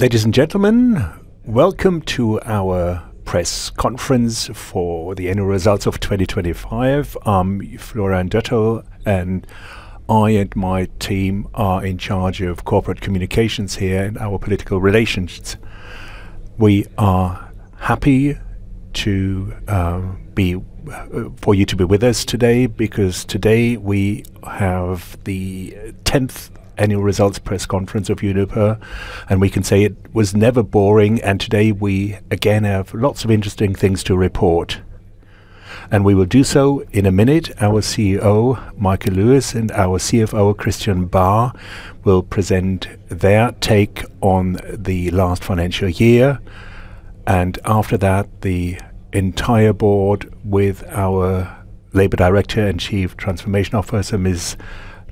Ladies and gentlemen, welcome to our press conference for the annual results of 2025. I'm Florian Dötterl, and I and my team are in charge of corporate communications here and our political relationships. We are happy to have you with us today because today we have the tenth annual results press conference of Uniper, and we can say it was never boring. Today we again have lots of interesting things to report, and we will do so in a minute. Our CEO, Michael Lewis, and our CFO, Christian Bahr, will present their take on the last financial year. After that, the entire board with our labor director and chief transformation officer, Ms.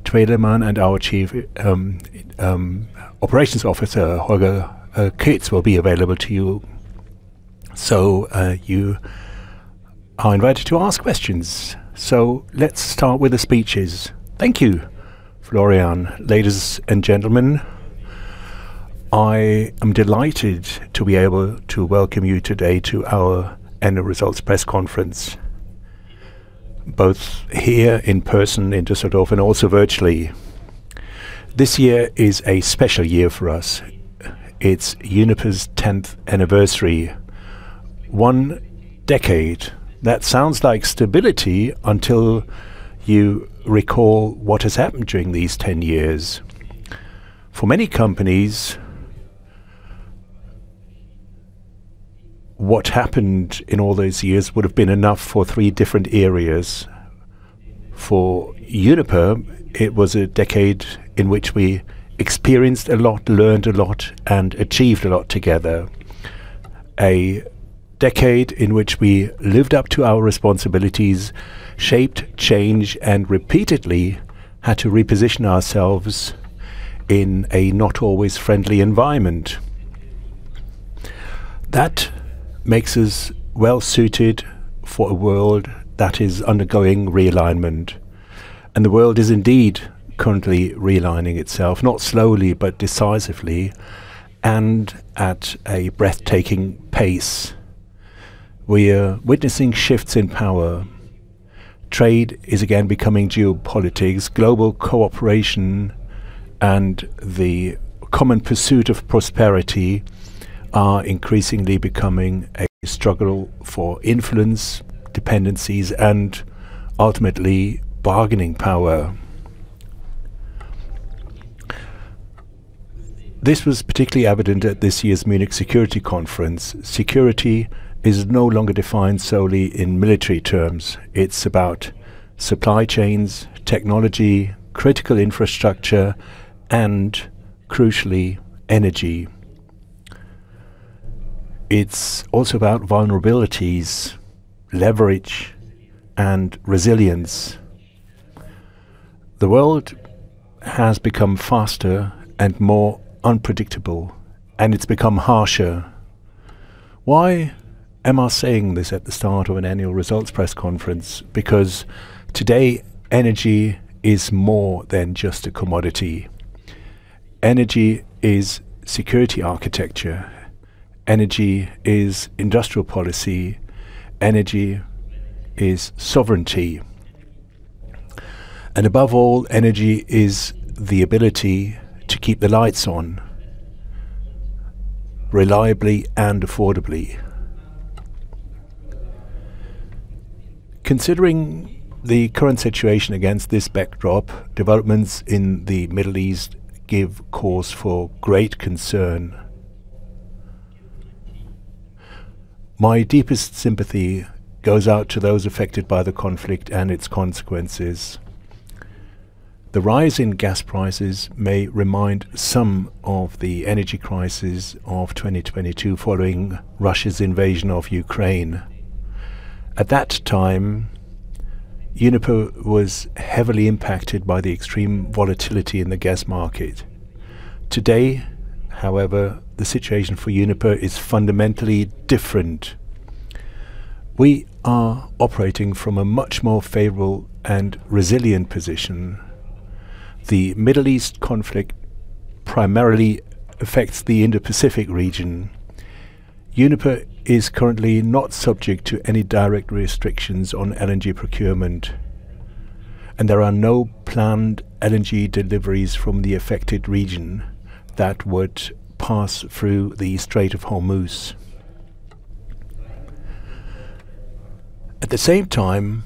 Twelemann, and our chief operations officer, Holger Kreetz, will be available to you. You are invited to ask questions. Let's start with the speeches. Thank you, Florian. Ladies and gentlemen, I am delighted to be able to welcome you today to our annual results press conference, both here in person in Düsseldorf and also virtually. This year is a special year for us. It's Uniper's 10th anniversary. One decade, that sounds like stability until you recall what has happened during these 10 years. For many companies, what happened in all those years would have been enough for three different eras. For Uniper, it was a decade in which we experienced a lot, learned a lot, and achieved a lot together. A decade in which we lived up to our responsibilities, shaped change, and repeatedly had to reposition ourselves in a not always friendly environment. That makes us well-suited for a world that is undergoing realignment. The world is indeed currently realigning itself, not slowly, but decisively and at a breathtaking pace. We are witnessing shifts in power. Trade is again becoming geopolitics. Global cooperation and the common pursuit of prosperity are increasingly becoming a struggle for influence, dependencies, and ultimately bargaining power. This was particularly evident at this year's Munich Security Conference. Security is no longer defined solely in military terms. It's about supply chains, technology, critical infrastructure, and crucially, energy. It's also about vulnerabilities, leverage, and resilience. The world has become faster and more unpredictable, and it's become harsher. Why am I saying this at the start of an annual results press conference? Because today, energy is more than just a commodity. Energy is security architecture. Energy is industrial policy. Energy is sovereignty. Above all, energy is the ability to keep the lights on reliably and affordably. Considering the current situation against this backdrop, developments in the Middle East give cause for great concern. My deepest sympathy goes out to those affected by the conflict and its consequences. The rise in gas prices may remind some of the energy crisis of 2022 following Russia's invasion of Ukraine. At that time, Uniper was heavily impacted by the extreme volatility in the gas market. Today, however, the situation for Uniper is fundamentally different. We are operating from a much more favorable and resilient position. The Middle East conflict primarily affects the Indo-Pacific region. Uniper is currently not subject to any direct restrictions on LNG procurement, and there are no planned LNG deliveries from the affected region that would pass through the Strait of Hormuz. At the same time,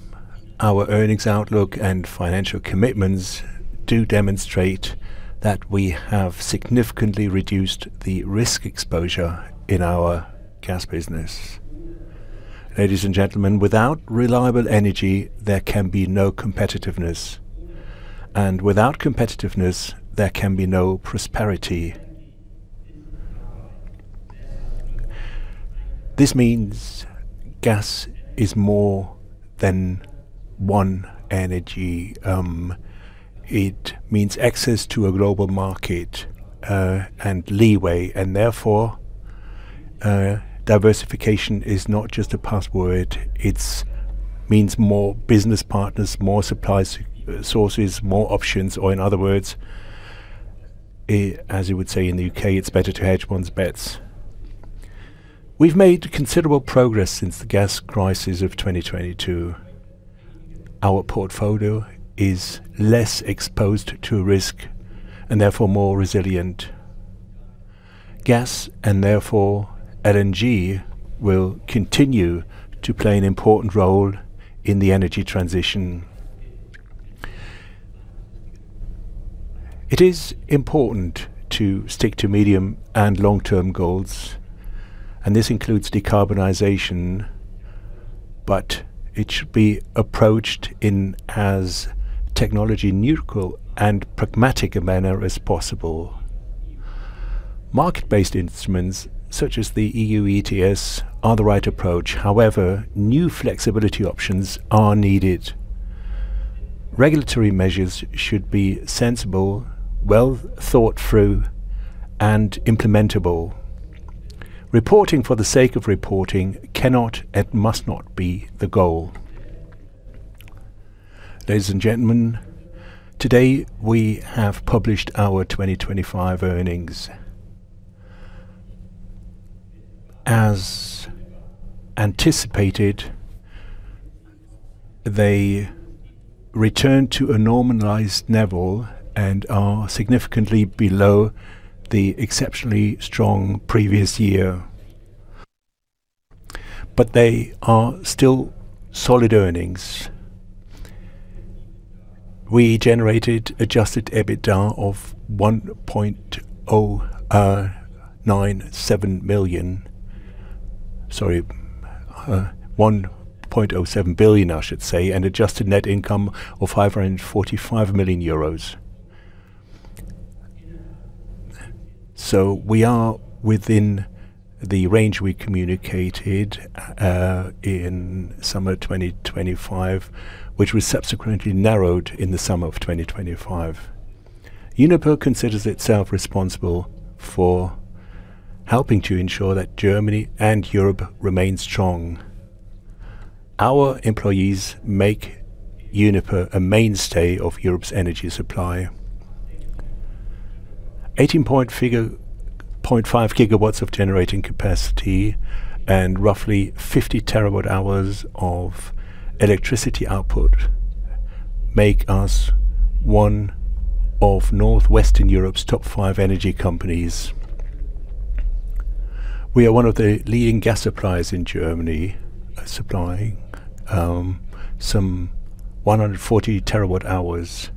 our earnings outlook and financial commitments do demonstrate that we have significantly reduced the risk exposure in our gas business. Ladies and gentlemen, without reliable energy, there can be no competitiveness, and without competitiveness, there can be no prosperity. This means gas is more than one energy. It means access to a global market, and leeway, and therefore diversification is not just a buzzword, it means more business partners, more supply sources, more options, or in other words, as you would say in the UK, it's better to hedge one's bets. We've made considerable progress since the gas crisis of 2022. Our portfolio is less exposed to risk and therefore more resilient. Gas and therefore LNG will continue to play an important role in the energy transition. It is important to stick to medium and long-term goals, and this includes decarbonization, but it should be approached in as technology neutral and pragmatic a manner as possible. Market-based instruments such as the EU ETS are the right approach. However, new flexibility options are needed. Regulatory measures should be sensible, well thought through, and implementable. Reporting for the sake of reporting cannot and must not be the goal. Ladies and gentlemen, today we have published our 2025 earnings. As anticipated, they return to a normalized level and are significantly below the exceptionally strong previous year, but they are still solid earnings. We generated Adjusted EBITDA of 1.07 billion, and adjusted net income of 545 million euros. We are within the range we communicated in summer 2025, which was subsequently narrowed in the summer of 2025. Uniper considers itself responsible for helping to ensure that Germany and Europe remain strong. Our employees make Uniper a mainstay of Europe's energy supply. 18.45 GW of generating capacity and roughly 50 TWh of electricity output make us one of Northwestern Europe's top five energy companies. We are one of the leading gas suppliers in Germany, supplying some 140 TWh,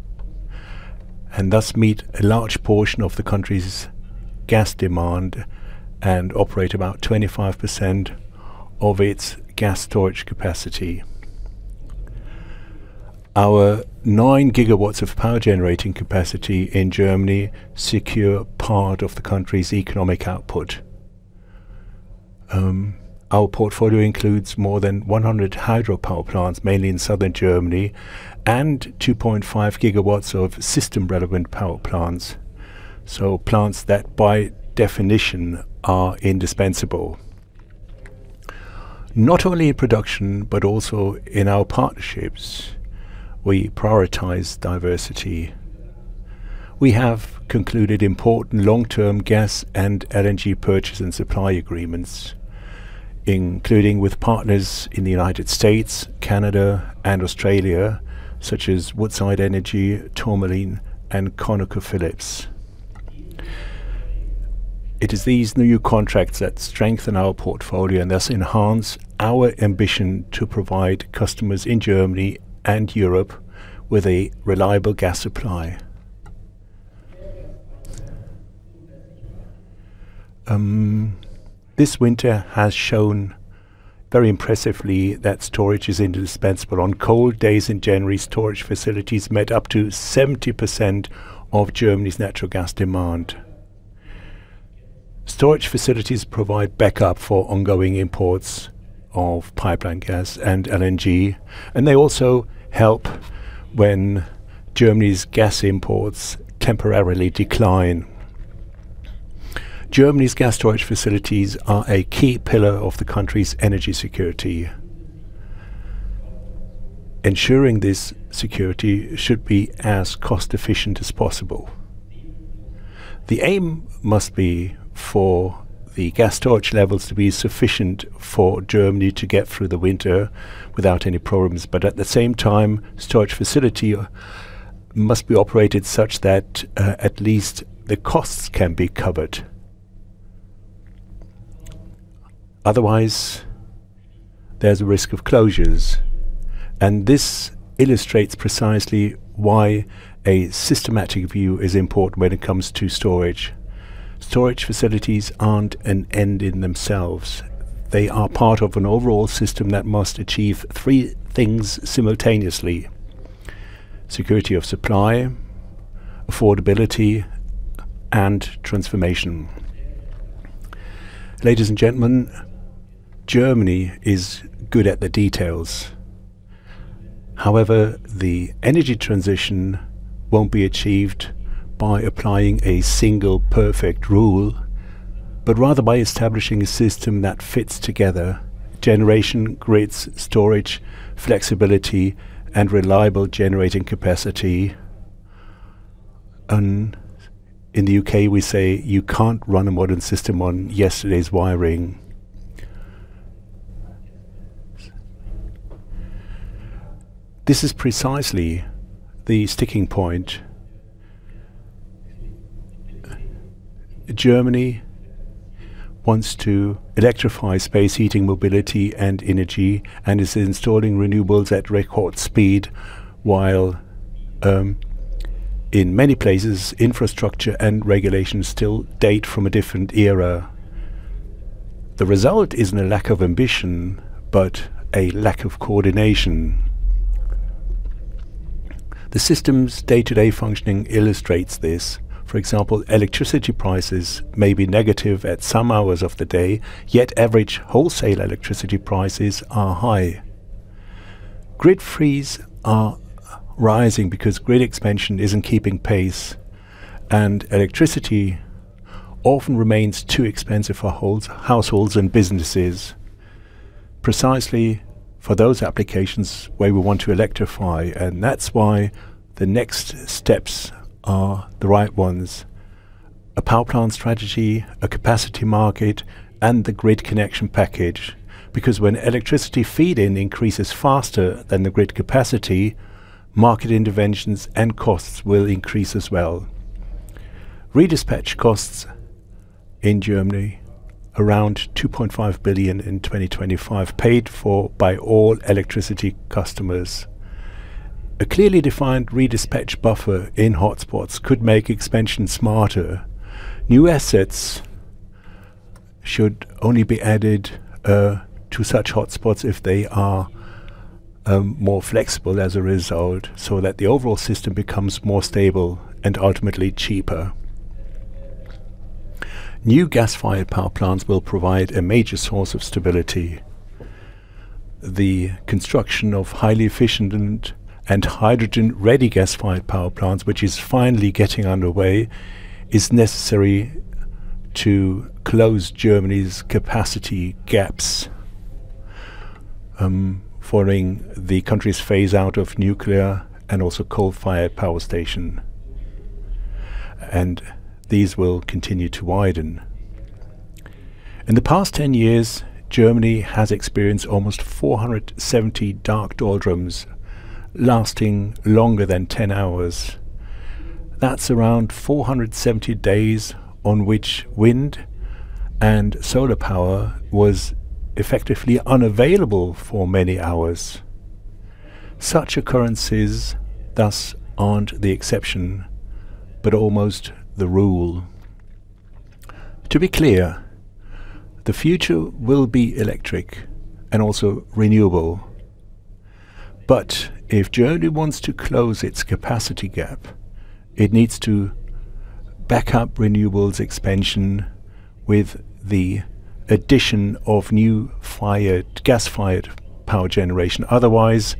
and thus meet a large portion of the country's gas demand and operate about 25% of its gas storage capacity. Our 9 GW of power generating capacity in Germany secure part of the country's economic output. Our portfolio includes more than 100 hydropower plants, mainly in southern Germany, and 2.5 GW of system-relevant power plants, so plants that by definition are indispensable. Not only in production, but also in our partnerships, we prioritize diversity. We have concluded important long-term gas and LNG purchase and supply agreements, including with partners in the United States, Canada, and Australia, such as Woodside Energy, Tourmaline, and ConocoPhillips. It is these new contracts that strengthen our portfolio and thus enhance our ambition to provide customers in Germany and Europe with a reliable gas supply. This winter has shown very impressively that storage is indispensable. On cold days in January, storage facilities met up to 70% of Germany's natural gas demand. Storage facilities provide backup for ongoing imports of pipeline gas and LNG, and they also help when Germany's gas imports temporarily decline. Germany's gas storage facilities are a key pillar of the country's energy security. Ensuring this security should be as cost efficient as possible. The aim must be for the gas storage levels to be sufficient for Germany to get through the winter without any problems, but at the same time, storage facility must be operated such that at least the costs can be covered. Otherwise, there's a risk of closures, and this illustrates precisely why a systematic view is important when it comes to storage. Storage facilities aren't an end in themselves. They are part of an overall system that must achieve three things simultaneously: security of supply, affordability, and transformation. Ladies and gentlemen, Germany is good at the details. However, the energy transition won't be achieved by applying a single perfect rule, but rather by establishing a system that fits together generation, grids, storage, flexibility, and reliable generating capacity. In the UK, we say you can't run a modern system on yesterday's wiring. This is precisely the sticking point. Germany wants to electrify space heating, mobility, and energy and is installing renewables at record speed, while in many places, infrastructure and regulations still date from a different era. The result isn't a lack of ambition, but a lack of coordination. The system's day-to-day functioning illustrates this. For example, electricity prices may be negative at some hours of the day, yet average wholesale electricity prices are high. Grid fees are rising because grid expansion isn't keeping pace, and electricity often remains too expensive for households and businesses, precisely for those applications where we want to electrify. That's why the next steps are the right ones, a power plant strategy, a capacity market, and the grid connection package. Because when electricity feed-in increases faster than the grid capacity, market interventions and costs will increase as well. Redispatch costs in Germany around 2.5 billion in 2025, paid for by all electricity customers. A clearly defined redispatch buffer in hotspots could make expansion smarter. New assets should only be added to such hotspots if they are more flexible as a result, so that the overall system becomes more stable and ultimately cheaper. New gas-fired power plants will provide a major source of stability. The construction of highly efficient and hydrogen-ready gas-fired power plants, which is finally getting underway, is necessary to close Germany's capacity gaps following the country's phase-out of nuclear and also coal-fired power station, and these will continue to widen. In the past 10 years, Germany has experienced almost 470 Dunkelflaute lasting longer than 10 hours. That's around 470 days on which wind and solar power was effectively unavailable for many hours. Such occurrences, thus, aren't the exception, but almost the rule. To be clear, the future will be electric and also renewable. If Germany wants to close its capacity gap, it needs to back up renewables expansion with the addition of new gas-fired power generation. Otherwise,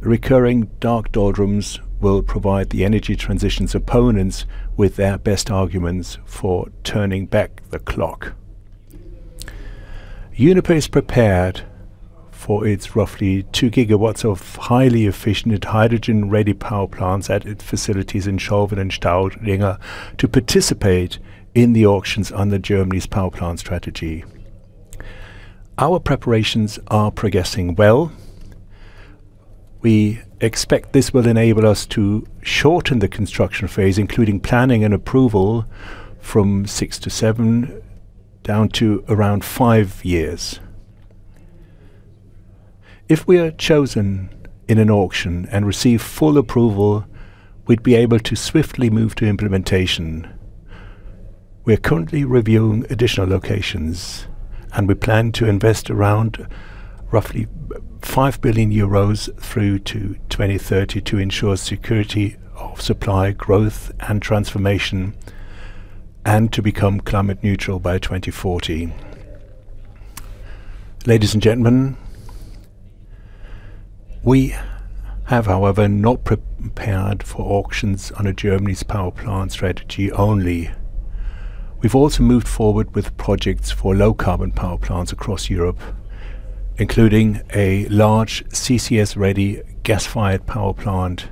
recurring Dunkelflaute will provide the energy transition's opponents with their best arguments for turning back the clock. Uniper is prepared for its roughly 2 gigawatts of highly efficient and hydrogen-ready power plants at its facilities in Scholven and Staudinger to participate in the auctions under Germany's power plant strategy. Our preparations are progressing well. We expect this will enable us to shorten the construction phase, including planning and approval, from six to seven down to around five years. If we are chosen in an auction and receive full approval, we'd be able to swiftly move to implementation. We are currently reviewing additional locations, and we plan to invest around roughly 5 billion euros through to 2030 to ensure security of supply, growth, and transformation and to become climate neutral by 2040. Ladies and gentlemen, we have, however, not prepared for auctions under Germany's power plant strategy only. We've also moved forward with projects for low-carbon power plants across Europe, including a large CCS-ready gas-fired power plant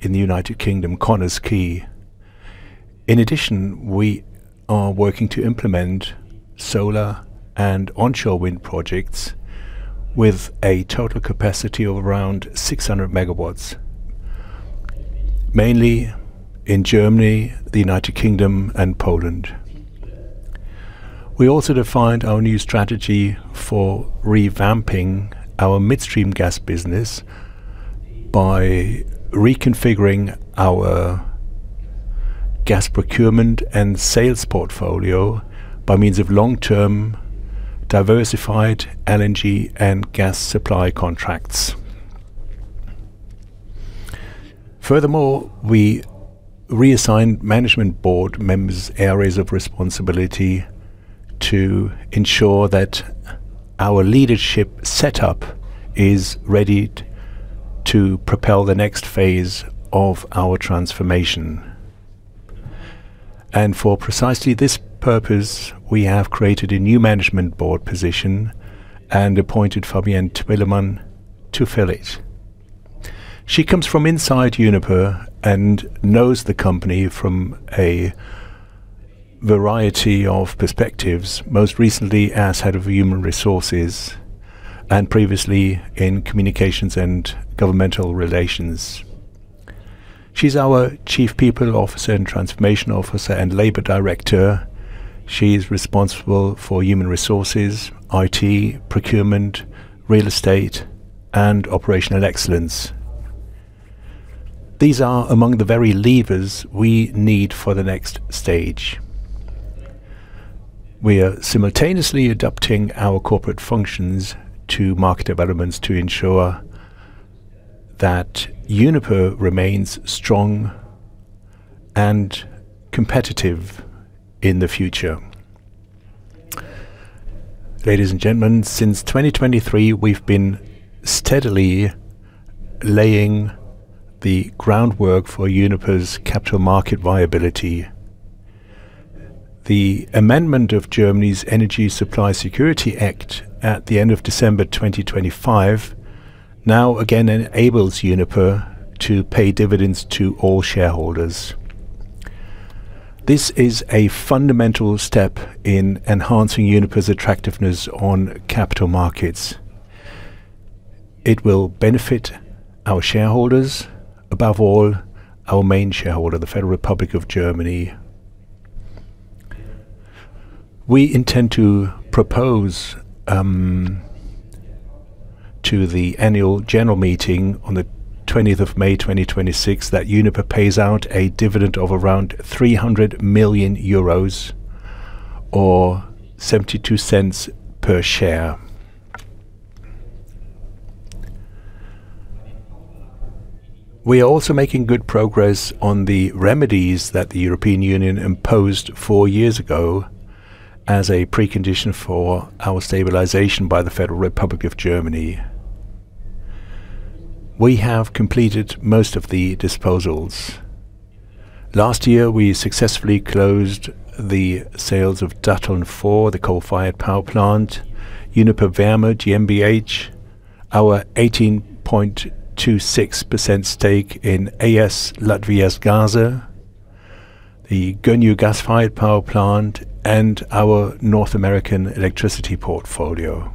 in the United Kingdom, Connah's Quay. In addition, we are working to implement solar and onshore wind projects with a total capacity of around 600 MW, mainly in Germany, the United Kingdom, and Poland. We also defined our new strategy for revamping our midstream gas business by reconfiguring our gas procurement and sales portfolio by means of long-term diversified LNG and gas supply contracts. Furthermore, we reassigned management board members' areas of responsibility to ensure that our leadership setup is ready to propel the next phase of our transformation. For precisely this purpose, we have created a new management board position and appointed Tiina Tuomela to fill it. She comes from inside Uniper and knows the company from a variety of perspectives, most recently as head of human resources and previously in communications and governmental relations. She's our chief people officer and transformation officer and labor director. She's responsible for human resources, IT, procurement, real estate, and operational excellence. These are among the very levers we need for the next stage. We are simultaneously adapting our corporate functions to market developments to ensure that Uniper remains strong and competitive in the future. Ladies and gentlemen, since 2023, we've been steadily laying the groundwork for Uniper's capital market viability. The amendment of Germany's Energy Supply Security Act at the end of December 2025 now again enables Uniper to pay dividends to all shareholders. This is a fundamental step in enhancing Uniper's attractiveness on capital markets. It will benefit our shareholders, above all, our main shareholder, the Federal Republic of Germany. We intend to propose to the annual general meeting on May 29th, 2026 that Uniper pays out a dividend of around 300 million euros or 0.72 per share. We are also making good progress on the remedies that the European Union imposed four years ago as a precondition for our stabilization by the Federal Republic of Germany. We have completed most of the disposals. Last year, we successfully closed the sales of Datteln 4, the coal-fired power plant, Uniper Wärme GmbH, our 18.26% stake in AS Latvijas Gāze, the Gönyű gas-fired power plant, and our North American electricity portfolio.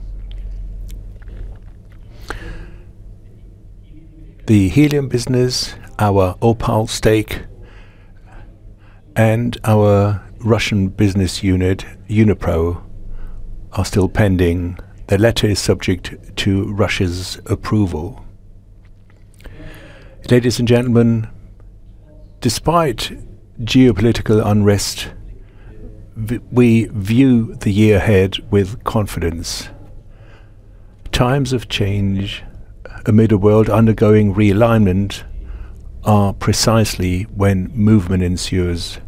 The helium business, our OPAL stake, and our Russian business unit, Unipro, are still pending. The latter is subject to Russia's approval. Ladies and gentlemen, despite geopolitical unrest, we view the year ahead with confidence. Times of change amid a world undergoing realignment are precisely when movement ensues,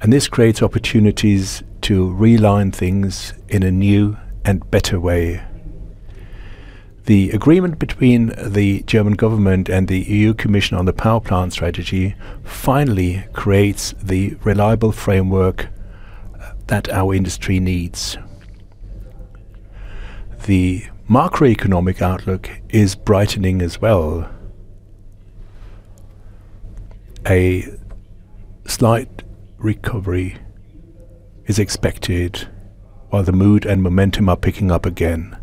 and this creates opportunities to realign things in a new and better way. The agreement between the German government and the European Commission on the power plant strategy finally creates the reliable framework that our industry needs. The macroeconomic outlook is brightening as well. A slight recovery is expected while the mood and momentum are picking up again.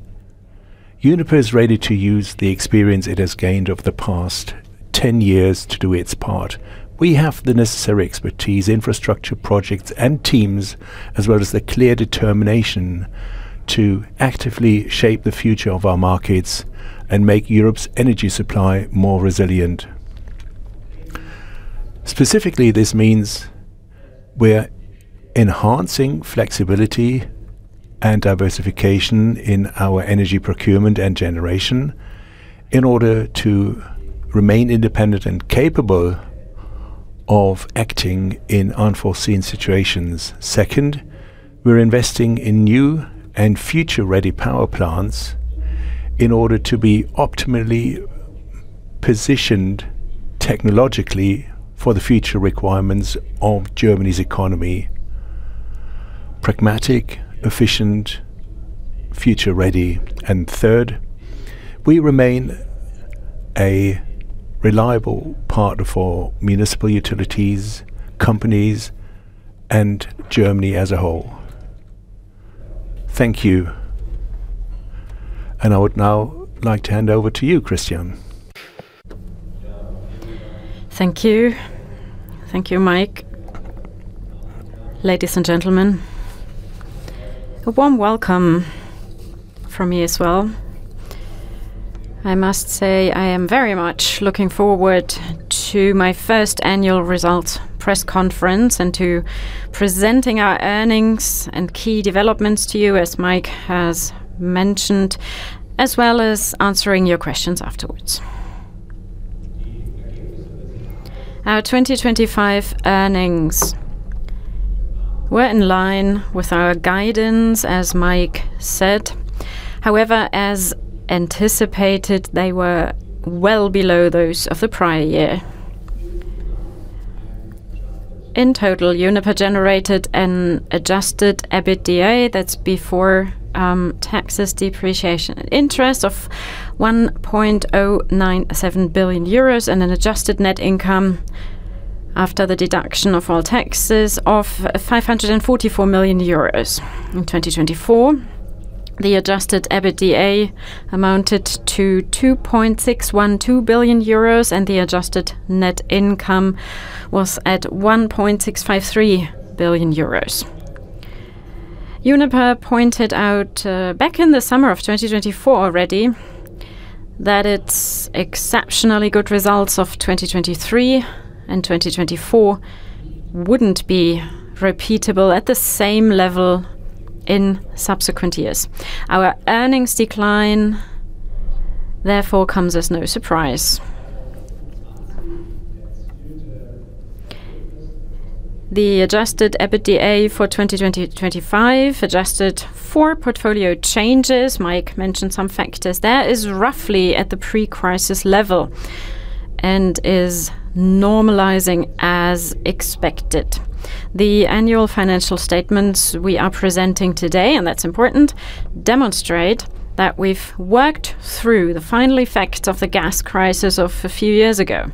Uniper is ready to use the experience it has gained over the past 10 years to do its part. We have the necessary expertise, infrastructure, projects, and teams, as well as the clear determination to actively shape the future of our markets and make Europe's energy supply more resilient. Specifically, this means we're enhancing flexibility and diversification in our energy procurement and generation in order to remain independent and capable of acting in unforeseen situations. Second, we're investing in new and future-ready power plants in order to be optimally positioned technologically for the future requirements of Germany's economy. Pragmatic, efficient, future-ready. Third, we remain a reliable partner for municipal utilities, companies, and Germany as a whole. Thank you. I would now like to hand over to you, Christian Barr. Thank you. Thank you, Mike. Ladies and gentlemen, a warm welcome from me as well. I must say, I am very much looking forward to my first annual results press conference and to presenting our earnings and key developments to you, as Mike has mentioned, as well as answering your questions afterwards. Our 2025 earnings were in line with our guidance, as Mike said. However, as anticipated, they were well below those of the prior year. In total, Uniper generated an Adjusted EBITDA, that's before taxes, depreciation, and interest of 1.097 billion euros and an adjusted net income after the deduction of all taxes of 544 million euros. In 2024, the Adjusted EBITDA amounted to 2.612 billion euros, and the adjusted net income was at 1.653 billion euros. Uniper pointed out back in the summer of 2024 already that its exceptionally good results of 2023 and 2024 wouldn't be repeatable at the same level in subsequent years. Our earnings decline, therefore, comes as no surprise. The Adjusted EBITDA for 2025, adjusted for portfolio changes, Mike mentioned some factors there, is roughly at the pre-crisis level and is normalizing as expected. The annual financial statements we are presenting today, and that's important, demonstrate that we've worked through the final effect of the gas crisis of a few years ago.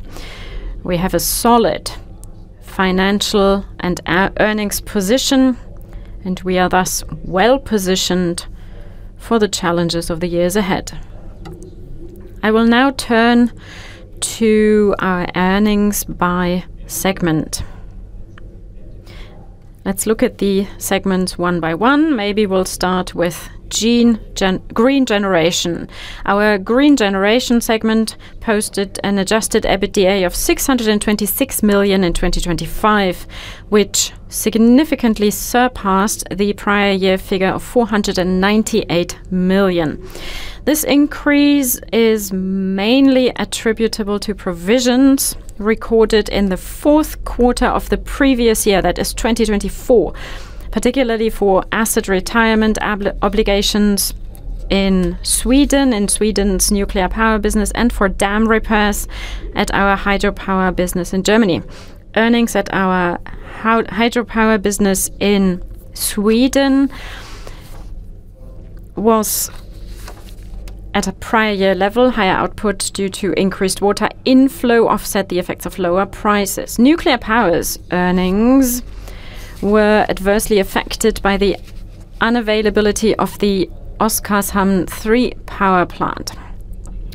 We have a solid financial and our earnings position, and we are thus well-positioned for the challenges of the years ahead. I will now turn to our earnings by segment. Let's look at the segments one by one. Maybe we'll start with Green Generation. Our green generation segment posted an Adjusted EBITDA of 626 million in 2025, which significantly surpassed the prior year figure of 498 million. This increase is mainly attributable to provisions recorded in the fourth quarter of the previous year, that is 2024, particularly for asset retirement obligations in Sweden, in Sweden's nuclear power business, and for dam repairs at our hydropower business in Germany. Earnings at our hydropower business in Sweden was at a prior year level. Higher output due to increased water inflow offset the effects of lower prices. Nuclear power's earnings were adversely affected by the unavailability of the Oskarshamn 3 power plant.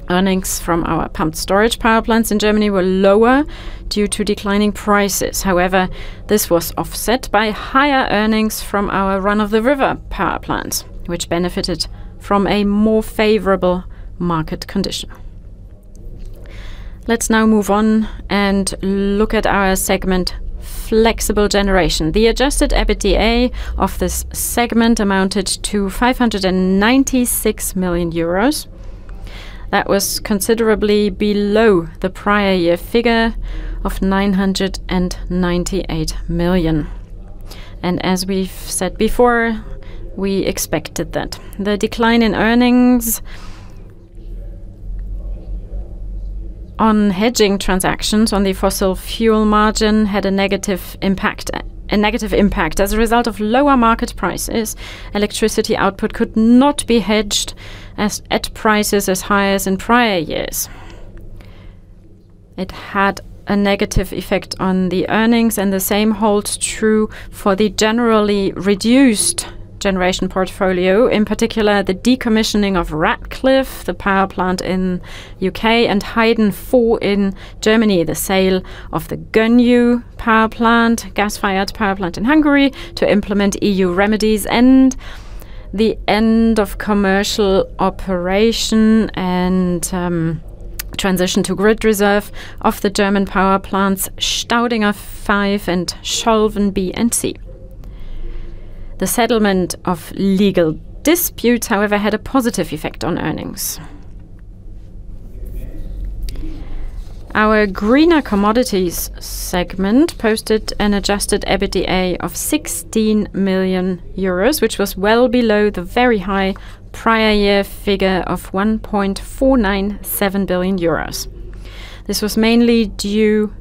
Earnings from our pumped storage power plants in Germany were lower due to declining prices. However, this was offset by higher earnings from our run-of-the-river power plants, which benefited from a more favorable market condition. Let's now move on and look at our segment Flexible Generation. The Adjusted EBITDA of this segment amounted to 596 million euros. That was considerably below the prior year figure of 998 million. As we've said before, we expected that. The decline in earnings on hedging transactions on the fossil fuel margin had a negative impact. As a result of lower market prices, electricity output could not be hedged at prices as high as in prior years. It had a negative effect on the earnings, and the same holds true for the generally reduced generation portfolio, in particular, the decommissioning of Ratcliffe, the power plant in UK, and Heyden 4 in Germany, the sale of the Gönyű power plant, gas-fired power plant in Hungary to implement EU remedies, and the end of commercial operation and transition to grid reserve of the German power plants Staudinger 5 and Scholven B and C. The settlement of legal disputes, however, had a positive effect on earnings. Our Greener Commodities segment posted an Adjusted EBITDA of 16 million euros, which was well below the very high prior year figure of 1.497 billion euros. This was mainly due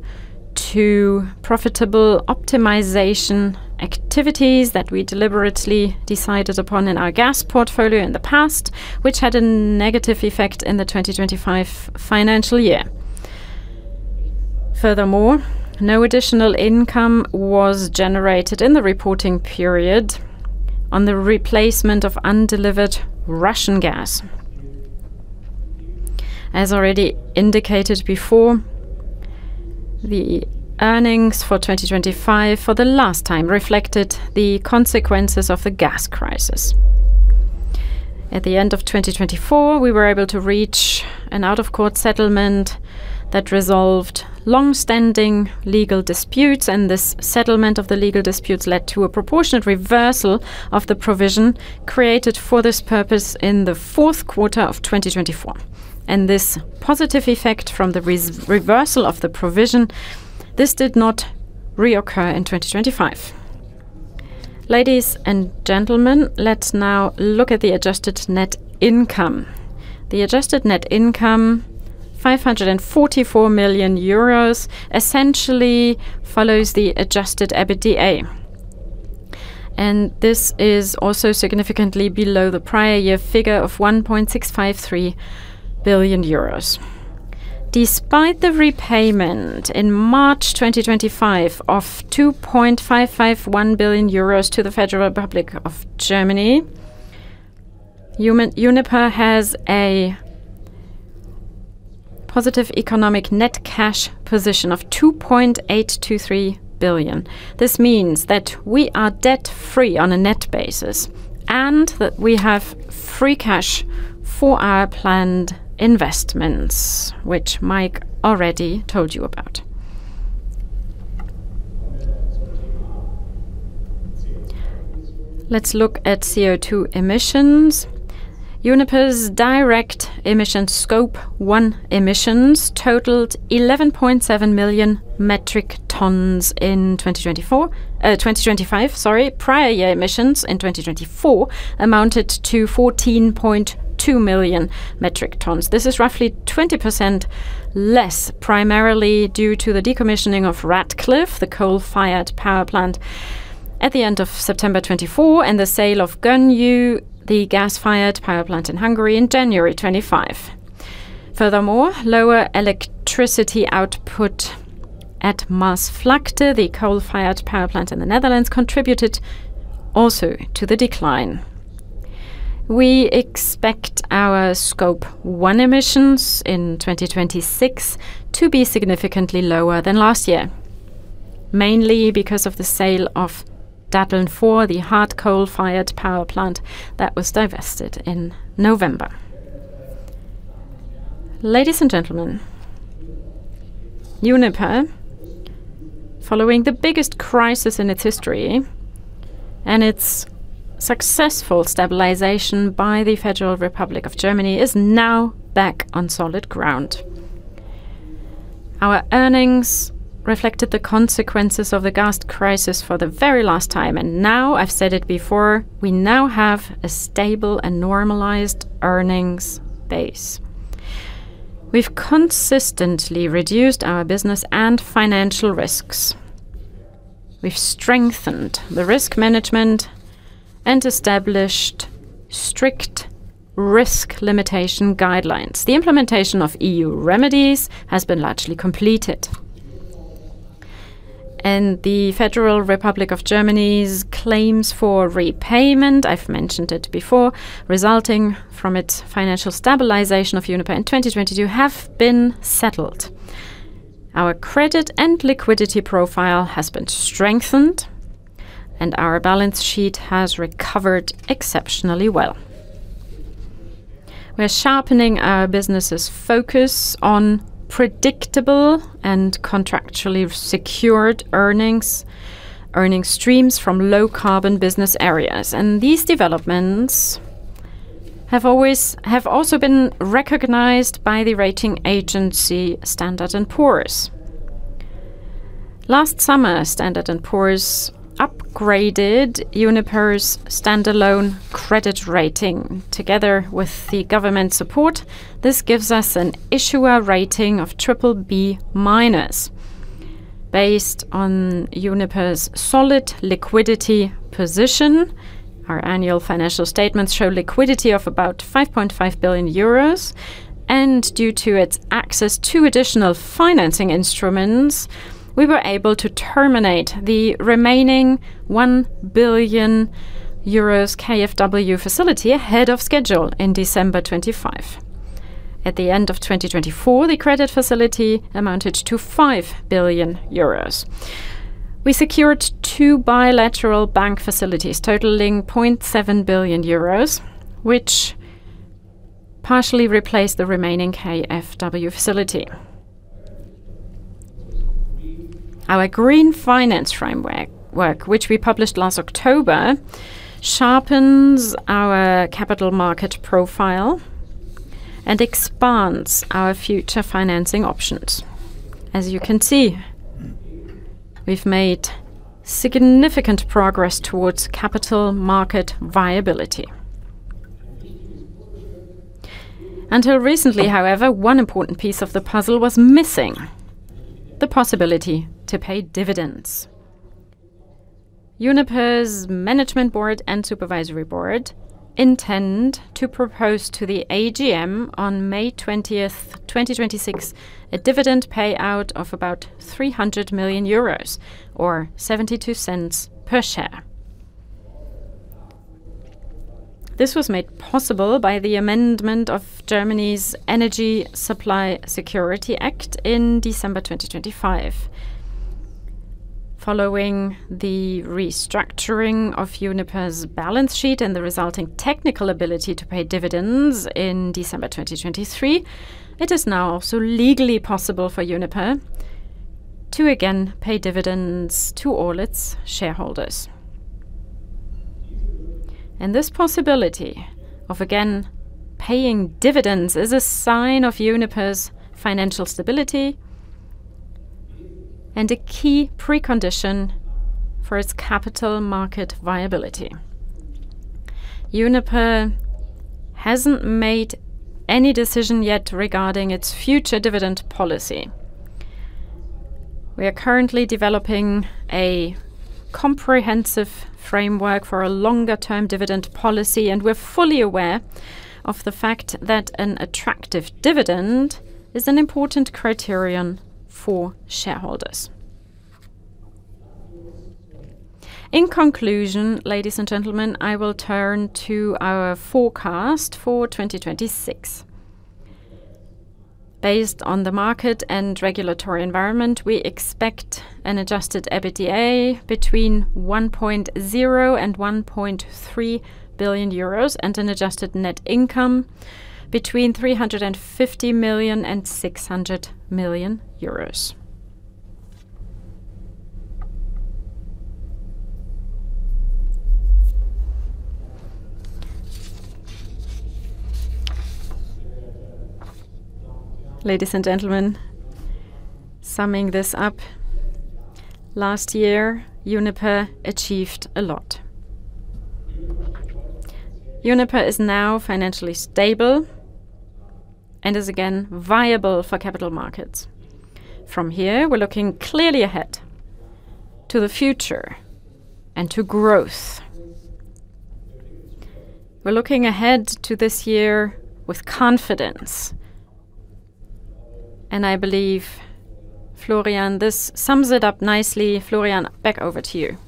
to profitable optimization activities that we deliberately decided upon in our gas portfolio in the past, which had a negative effect in the 2025 financial year. Furthermore, no additional income was generated in the reporting period on the replacement of undelivered Russian gas. As already indicated before, the earnings for 2025 for the last time reflected the consequences of the gas crisis. At the end of 2024, we were able to reach an out-of-court settlement that resolved long-standing legal disputes, and this settlement of the legal disputes led to a proportionate reversal of the provision created for this purpose in the fourth quarter of 2024. This positive effect from the reversal of the provision, this did not reoccur in 2025. Ladies and gentlemen, let's now look at the adjusted net income. The adjusted net income, 544 million euros, essentially follows the Adjusted EBITDA. This is also significantly below the prior year figure of 1.653 billion euros. Despite the repayment in March 2025 of 2.551 billion euros to the Federal Republic of Germany, Uniper has a positive economic net cash position of 2.823 billion. This means that we are debt-free on a net basis and that we have free cash for our planned investments, which Mike already told you about. Let's look at CO₂ emissions. Uniper's direct Scope 1 emissions totaled 11.7 million metric tons in 2025. Prior year emissions in 2024 amounted to 14.2 million metric tons. This is roughly 20% less, primarily due to the decommissioning of Ratcliffe, the coal-fired power plant, at the end of September 2024, and the sale of Gönyű, the gas-fired power plant in Hungary, in January 2025. Furthermore, lower electricity output at Maasvlakte, the coal-fired power plant in the Netherlands, contributed also to the decline. We expect our Scope 1 emissions in 2026 to be significantly lower than last year, mainly because of the sale of Datteln 4, the hard coal-fired power plant that was divested in November. Ladies and gentlemen, Uniper, following the biggest crisis in its history and its successful stabilization by the Federal Republic of Germany, is now back on solid ground. Our earnings reflected the consequences of the gas crisis for the very last time, and now I've said it before, we now have a stable and normalized earnings base. We've consistently reduced our business and financial risks. We've strengthened the risk management and established strict risk limitation guidelines. The implementation of EU remedies has been largely completed. The Federal Republic of Germany's claims for repayment, I've mentioned it before, resulting from its financial stabilization of Uniper in 2022, have been settled. Our credit and liquidity profile has been strengthened, and our balance sheet has recovered exceptionally well. We're sharpening our business' focus on predictable and contractually secured earnings, earning streams from low-carbon business areas. These developments have also been recognized by the rating agency Standard & Poor's. Last summer, Standard & Poor's upgraded Uniper's standalone credit rating. Together with the government support, this gives us an issuer rating of BBB- based on Uniper's solid liquidity position. Our annual financial statements show liquidity of about 5.5 billion euros. Due to its access to additional financing instruments, we were able to terminate the remaining 1 billion euros KfW facility ahead of schedule in December 2025. At the end of 2024, the credit facility amounted to 5 billion euros. We secured two bilateral bank facilities totaling 0.7 billion euros, which partially replaced the remaining KfW facility. Our Green Finance Framework, which we published last October, sharpens our capital market profile and expands our future financing options. As you can see, we've made significant progress towards capital market viability. Until recently, however, one important piece of the puzzle was missing, the possibility to pay dividends. Uniper's management board and supervisory board intend to propose to the AGM on May 20, 2026, a dividend payout of about 300 million euros or 0.72 per share. This was made possible by the amendment of Germany's Energy Supply Security Act in December 2025. Following the restructuring of Uniper's balance sheet and the resulting technical ability to pay dividends in December 2023, it is now also legally possible for Uniper to again pay dividends to all its shareholders. This possibility of again paying dividends is a sign of Uniper's financial stability and a key precondition for its capital market viability. Uniper hasn't made any decision yet regarding its future dividend policy. We are currently developing a comprehensive framework for a longer-term dividend policy, and we're fully aware of the fact that an attractive dividend is an important criterion for shareholders. In conclusion, ladies and gentlemen, I will turn to our forecast for 2026. Based on the market and regulatory environment, we expect an Adjusted EBITDA between 1.0 billion and 1.3 billion euros and an adjusted net income between 350 million and 600 million euros. Ladies and gentlemen, summing this up, last year Uniper achieved a lot. Uniper is now financially stable and is again viable for capital markets. From here, we're looking clearly ahead to the future and to growth. We're looking ahead to this year with confidence, and I believe, Florian, this sums it up nicely. Florian, back over to you.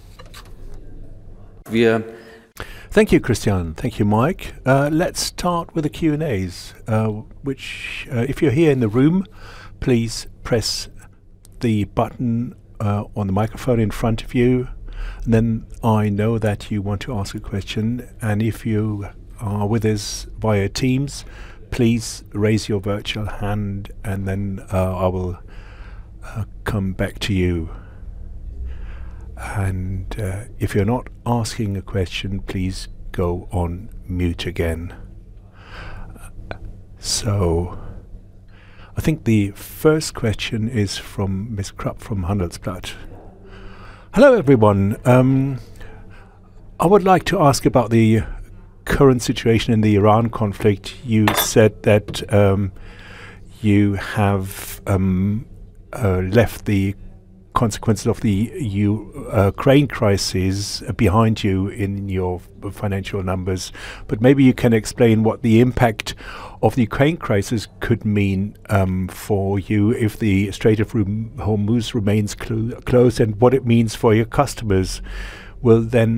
Via. Thank you, Christian. Thank you, Mike. Let's start with the Q&As, which, if you're here in the room, please press the button on the microphone in front of you, and then I know that you want to ask a question. If you are with us via Teams, please raise your virtual hand, and then I will come back to you. If you're not asking a question, please go on mute again. I think the first question is from Ms. Krupp from Handelsblatt. Hello, everyone. I would like to ask about the current situation in the Iran conflict. You said that you have left the consequences of the Ukraine crisis behind you in your financial numbers, but maybe you can explain what the impact of the Ukraine crisis could mean for you if the Strait of Hormuz remains closed and what it means for your customers will then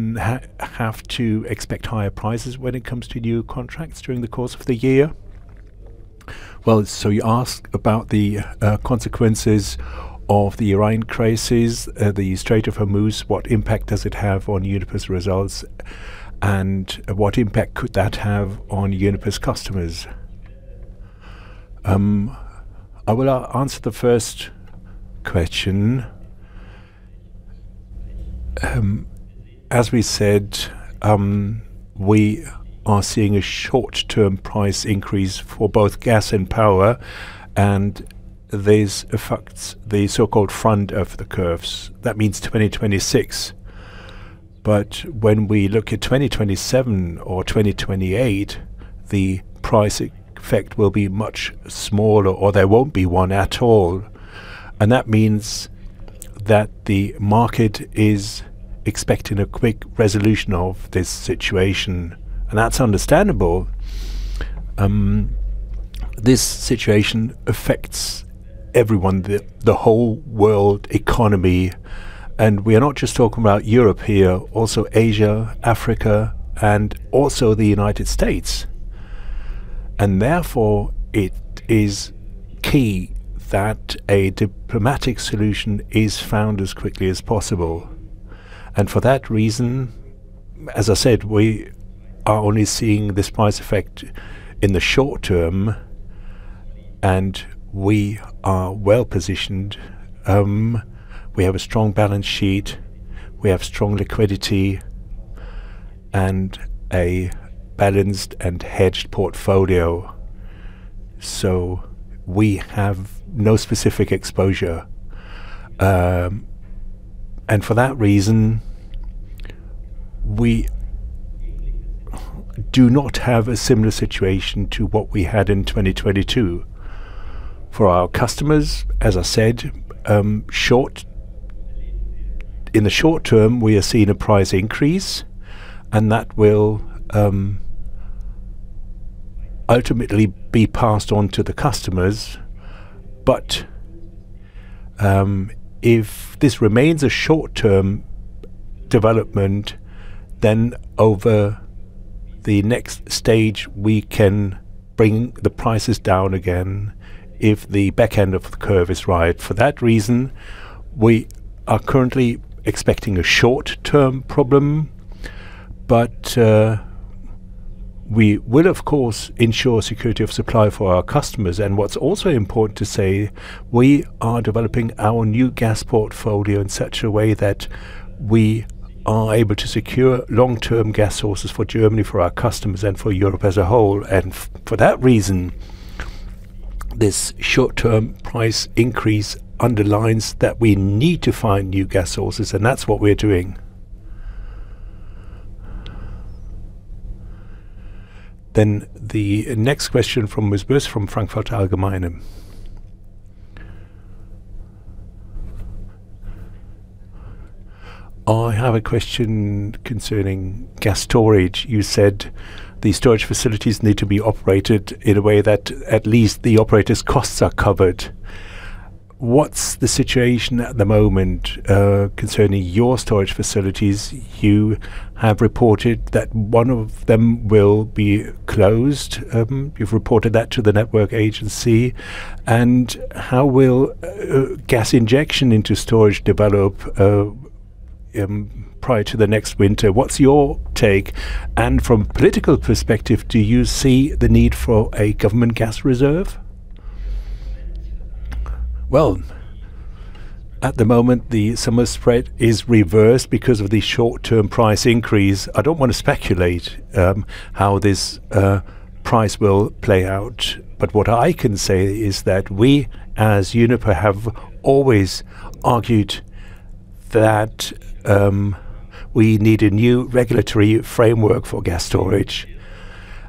have to expect higher prices when it comes to new contracts during the course of the year. You ask about the consequences of the Iran crisis, the Strait of Hormuz, what impact does it have on Uniper's results, and what impact could that have on Uniper's customers? I will answer the first question. As we said, we are seeing a short-term price increase for both gas and power, and this affects the so-called front of the curves. That means 2026. When we look at 2027 or 2028, the price effect will be much smaller, or there won't be one at all. That means that the market is expecting a quick resolution of this situation, and that's understandable. This situation affects everyone, the whole world economy, and we are not just talking about Europe here, also Asia, Africa, and also the United States. Therefore, it is key that a diplomatic solution is found as quickly as possible. For that reason, as I said, we are only seeing this price effect in the short term, and we are well-positioned. We have a strong balance sheet, we have strong liquidity, and a balanced and hedged portfolio, so we have no specific exposure. For that reason, we do not have a similar situation to what we had in 2022. For our customers, as I said, in the short term, we are seeing a price increase, and that will ultimately be passed on to the customers. But if this remains a short-term development, then over the next stage, we can bring the prices down again if the back end of the curve is right. For that reason, we are currently expecting a short-term problem, but we will, of course, ensure security of supply for our customers, and what's also important to say, we are developing our new gas portfolio in such a way that we are able to secure long-term gas sources for Germany, for our customers, and for Europe as a whole. For that reason, this short-term price increase underlines that we need to find new gas sources, and that's what we're doing. The next question from Ms. Booth from Frankfurter Allgemeine Zeitung. I have a question concerning gas storage. You said the storage facilities need to be operated in a way that at least the operator's costs are covered. What's the situation at the moment concerning your storage facilities? You have reported that one of them will be closed. You've reported that to the Federal Network Agency. How will gas injection into storage develop prior to the next winter? What's your take? From political perspective, do you see the need for a government gas reserve? Well, at the moment, the summer spread is reversed because of the short-term price increase. I don't wanna speculate how this price will play out, but what I can say is that we, as Uniper, have always argued that we need a new regulatory framework for gas storage,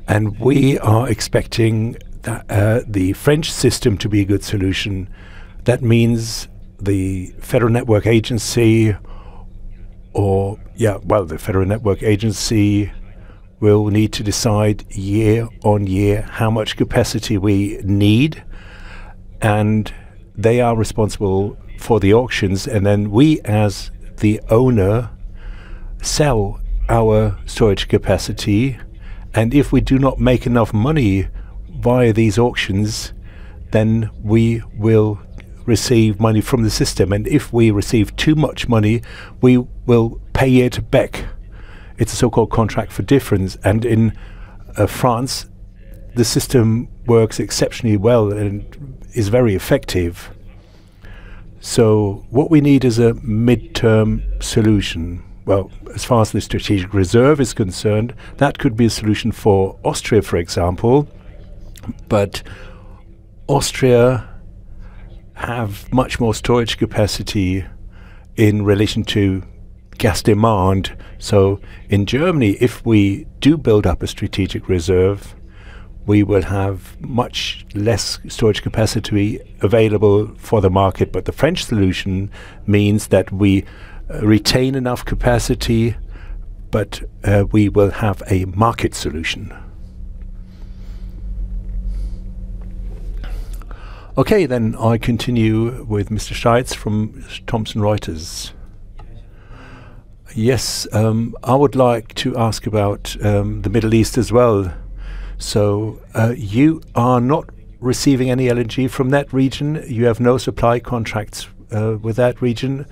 and we are expecting the French system to be a good solution. That means the Federal Network Agency will need to decide year on year how much capacity we need, and they are responsible for the auctions. We, as the owner, sell our storage capacity, and if we do not make enough money via these auctions, then we will receive money from the system. If we receive too much money, we will pay it back. It's a so-called contract for difference. In France, the system works exceptionally well and is very effective. What we need is a midterm solution. Well, as far as the strategic reserve is concerned, that could be a solution for Austria, for example, but Austria have much more storage capacity in relation to gas demand. So in Germany, if we do build up a strategic reserve, we will have much less storage capacity available for the market. But the French solution means that we retain enough capacity, but, we will have a market solution. Okay. I continue with Mr. Steitz from Thomson Reuters. Yes. I would like to ask about the Middle East as well. You are not receiving any LNG from that region. You have no supply contracts with that region.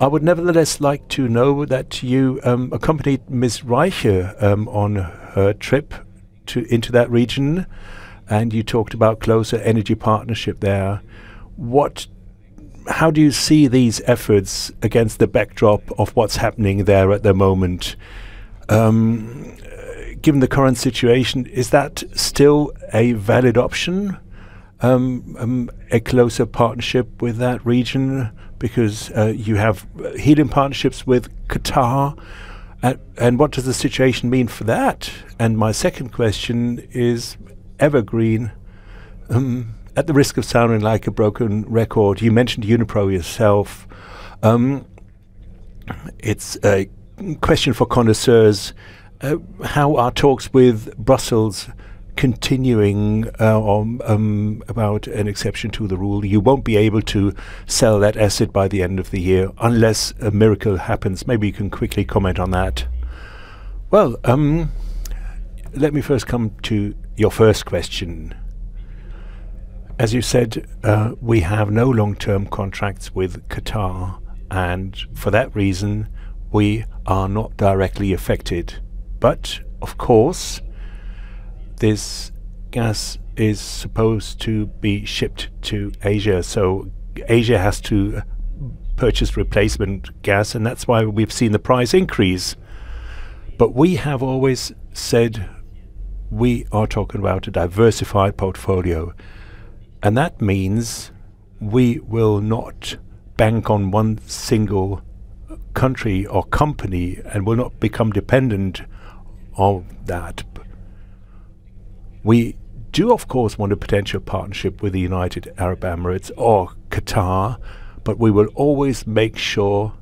I would nevertheless like to know that you accompanied Ms. Reiche on her trip into that region, and you talked about closer energy partnership there. What How do you see these efforts against the backdrop of what's happening there at the moment? Given the current situation, is that still a valid option, a closer partnership with that region because you have heating partnerships with Qatar? What does the situation mean for that? My second question is Evergreen. At the risk of sounding like a broken record, you mentioned Unipro yourself. It's a question for connoisseurs. How are talks with Brussels continuing about an exception to the rule? You won't be able to sell that asset by the end of the year unless a miracle happens. Maybe you can quickly comment on that. Well, let me first come to your first question. As you said, we have no long-term contracts with Qatar, and for that reason, we are not directly affected. Of course, this gas is supposed to be shipped to Asia, so Asia has to purchase replacement gas, and that's why we've seen the price increase. We have always said we are talking about a diversified portfolio, and that means we will not bank on one single country or company and will not become dependent on that. We do, of course, want a potential partnership with the United Arab Emirates or Qatar, but we will always make sure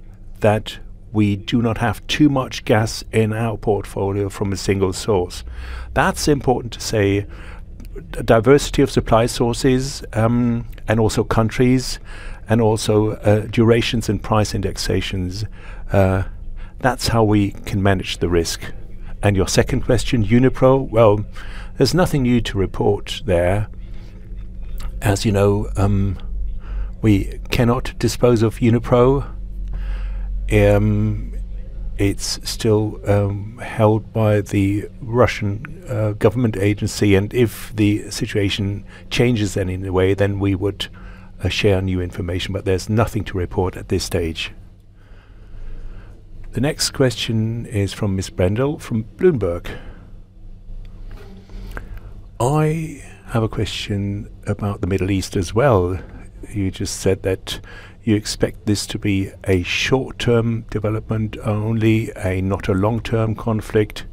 that we do not have too much gas in our portfolio from a single source. That's important to say. Diversity of supply sources, and also countries, and also, durations and price indexations, that's how we can manage the risk. Your second question, Unipro? Well, there's nothing new to report there. As you know, we cannot dispose of Unipro. It's still held by the Russian government agency, and if the situation changes then in a way, then we would share new information. There's nothing to report at this stage. The next question is from Ms. Brendel from Bloomberg. I have a question about the Middle East as well. You just said that you expect this to be a short-term development only, a not a long-term conflict.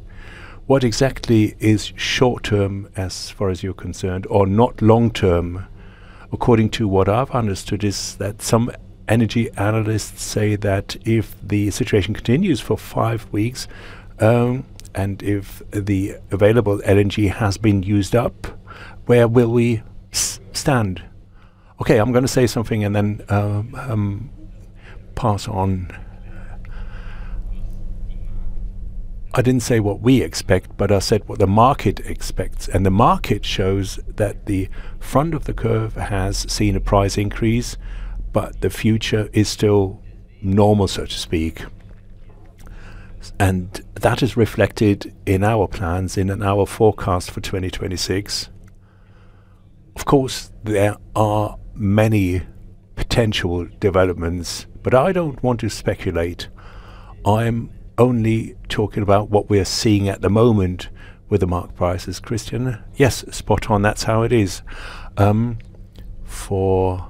What exactly is short-term as far as you're concerned, or not long-term? According to what I've understood is that some energy analysts say that if the situation continues for five weeks, and if the available LNG has been used up, where will we stand? Okay, I'm gonna say something and then, pass on. I didn't say what we expect, but I said what the market expects. The market shows that the front of the curve has seen a price increase, but the future is still normal, so to speak. That is reflected in our plans and in our forecast for 2026. Of course, there are many potential developments, but I don't want to speculate. I'm only talking about what we are seeing at the moment with the market prices. Christian? Yes, spot on. That's how it is. For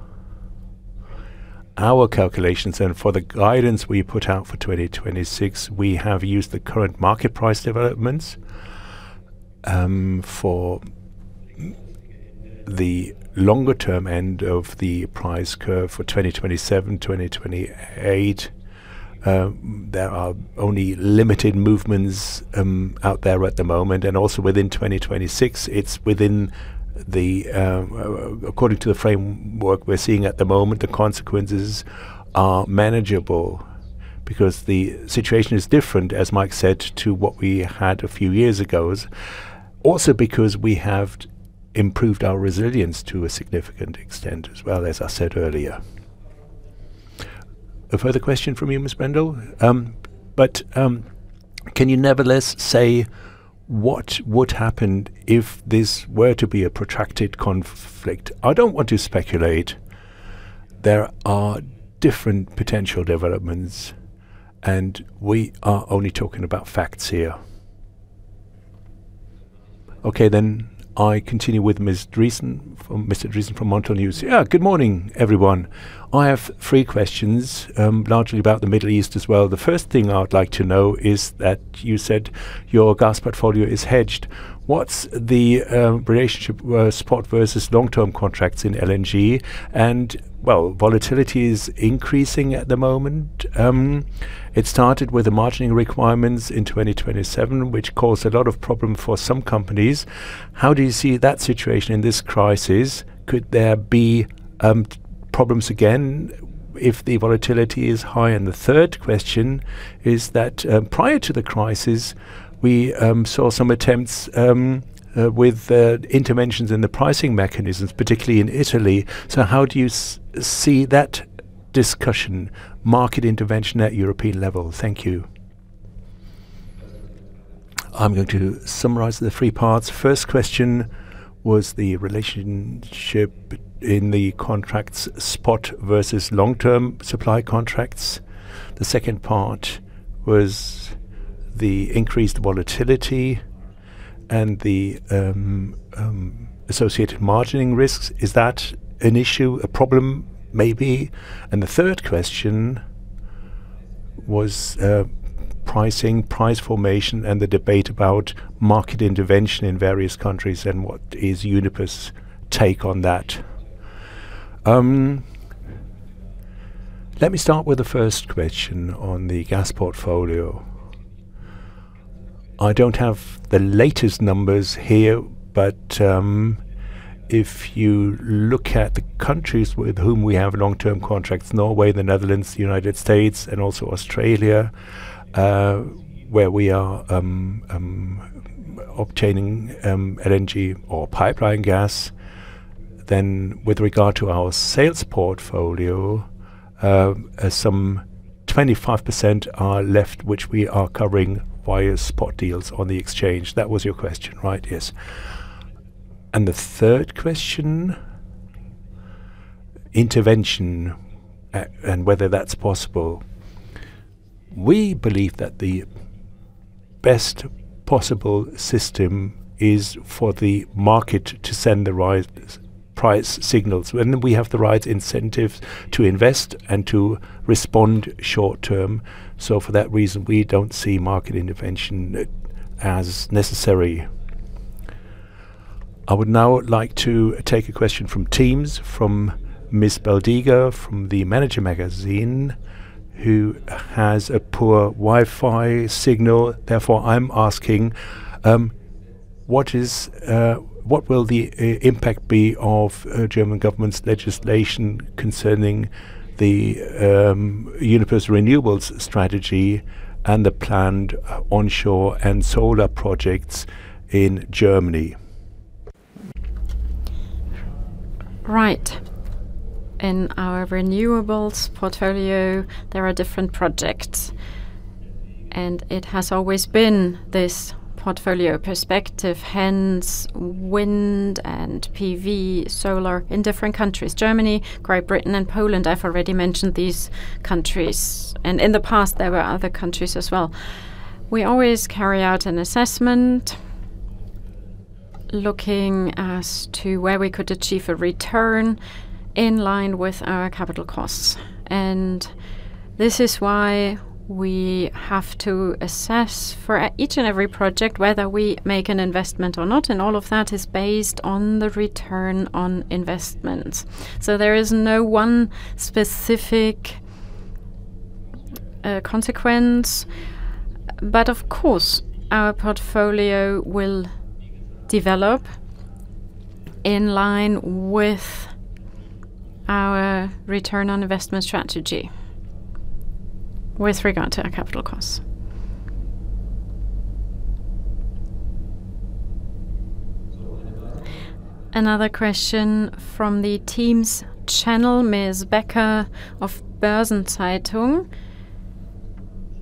our calculations and for the guidance we put out for 2026, we have used the current market price developments. For the longer-term end of the price curve for 2027, 2028, there are only limited movements out there at the moment. Within 2026, it's within the, according to the framework we're seeing at the moment, the consequences are manageable because the situation is different, as Mike said, to what we had a few years ago. We have improved our resilience to a significant extent as well, as I said earlier. A further question from you, Ms. Brendel? Can you nevertheless say what would happen if this were to be a protracted conflict? I don't want to speculate. There are different potential developments, and we are only talking about facts here. Okay, I continue with Mr. Dreesen from Montel News. Yeah. Good morning, everyone. I have three questions, largely about the Middle East as well. The first thing I would like to know is that you said your gas portfolio is hedged. What's the relationship, spot versus long-term contracts in LNG? Well, volatility is increasing at the moment. It started with the margining requirements in 2027, which caused a lot of problem for some companies. How do you see that situation in this crisis? Could there be problems again if the volatility is high? The third question is that, prior to the crisis, we saw some attempts with interventions in the pricing mechanisms, particularly in Italy. How do you see that discussion, market intervention at European level? Thank you. I'm going to summarize the three parts. First question was the relationship in the contracts spot versus long-term supply contracts. The second part was the increased volatility and the associated margining risks. Is that an issue, a problem maybe? The third question was, pricing, price formation, and the debate about market intervention in various countries and what is Uniper's take on that. Let me start with the first question on the gas portfolio. I don't have the latest numbers here, but if you look at the countries with whom we have long-term contracts, Norway, the Netherlands, United States, and also Australia, where we are obtaining LNG or pipeline gas, then with regard to our sales portfolio, some 25% are left, which we are covering via spot deals on the exchange. That was your question, right? Yes. The third question, intervention and whether that's possible. We believe that the best possible system is for the market to send the right price signals. Then we have the right incentives to invest and to respond short-term. For that reason, we don't see market intervention as necessary. I would now like to take a question from Teams from Ms. Bialdiga from the Manager Magazin, who has a poor Wi-Fi signal. Therefore, I'm asking what will the impact be of German government's legislation concerning the Uniper's renewables strategy and the planned onshore and solar projects in Germany? Right. In our renewables portfolio, there are different projects, and it has always been this portfolio perspective, hence wind and PV solar in different countries. Germany, Great Britain, and Poland, I've already mentioned these countries, and in the past, there were other countries as well. We always carry out an assessment looking as to where we could achieve a return in line with our capital costs. This is why we have to assess for each and every project, whether we make an investment or not, and all of that is based on the return on investment. There is no one specific consequence, but of course, our portfolio will develop in line with our return on investment strategy with regard to our capital costs. Another question from the Teams channel, Ms. Becker of Börsen-Zeitung.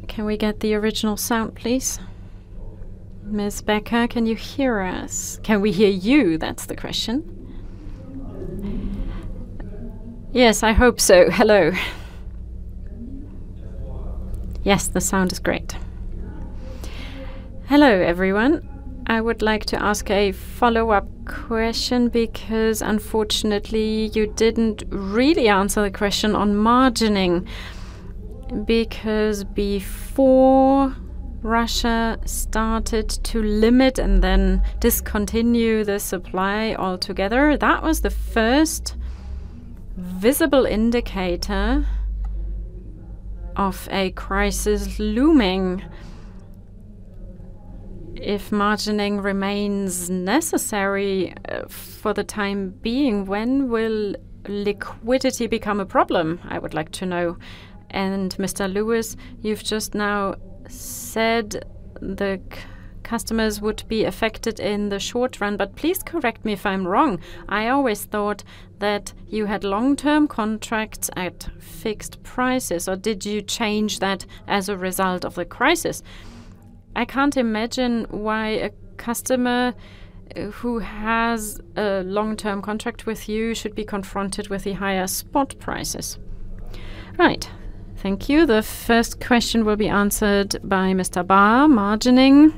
Can we get the original sound, please? Ms. Becker, can you hear us? Can we hear you? That's the question. Yes, I hope so. Hello. Yes, the sound is great. Hello, everyone. I would like to ask a follow-up question because unfortunately, you didn't really answer the question on margining. Before Russia started to limit and then discontinue the supply altogether, that was the first visible indicator of a crisis looming. If margining remains necessary for the time being, when will liquidity become a problem? I would like to know. Mr. Lewis, you've just now said the customers would be affected in the short run, but please correct me if I'm wrong. I always thought that you had long-term contracts at fixed prices, or did you change that as a result of the crisis? I can't imagine why a customer who has a long-term contract with you should be confronted with the higher spot prices. Right. Thank you. The first question will be answered by Mr. Bahr, margining.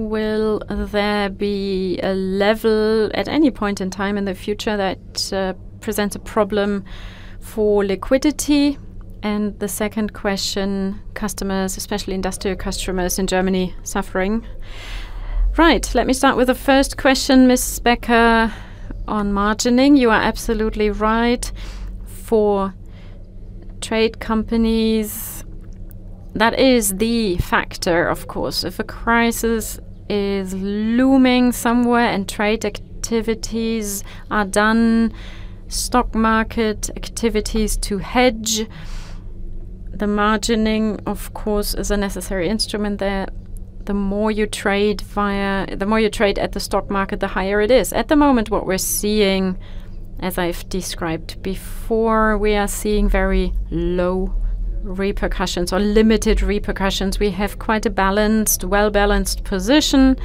Will there be a level at any point in time in the future that presents a problem for liquidity? And the second question, customers, especially industrial customers in Germany suffering. Right. Let me start with the first question, Ms. Becker, on margining. You are absolutely right. For trade companies, that is the factor, of course. If a crisis is looming somewhere and trade activities are done, stock market activities to hedge, the margining, of course, is a necessary instrument there. The more you trade at the stock market, the higher it is. At the moment, what we're seeing, as I've described before, we are seeing very low repercussions or limited repercussions. We have quite a balanced, well-balanced position.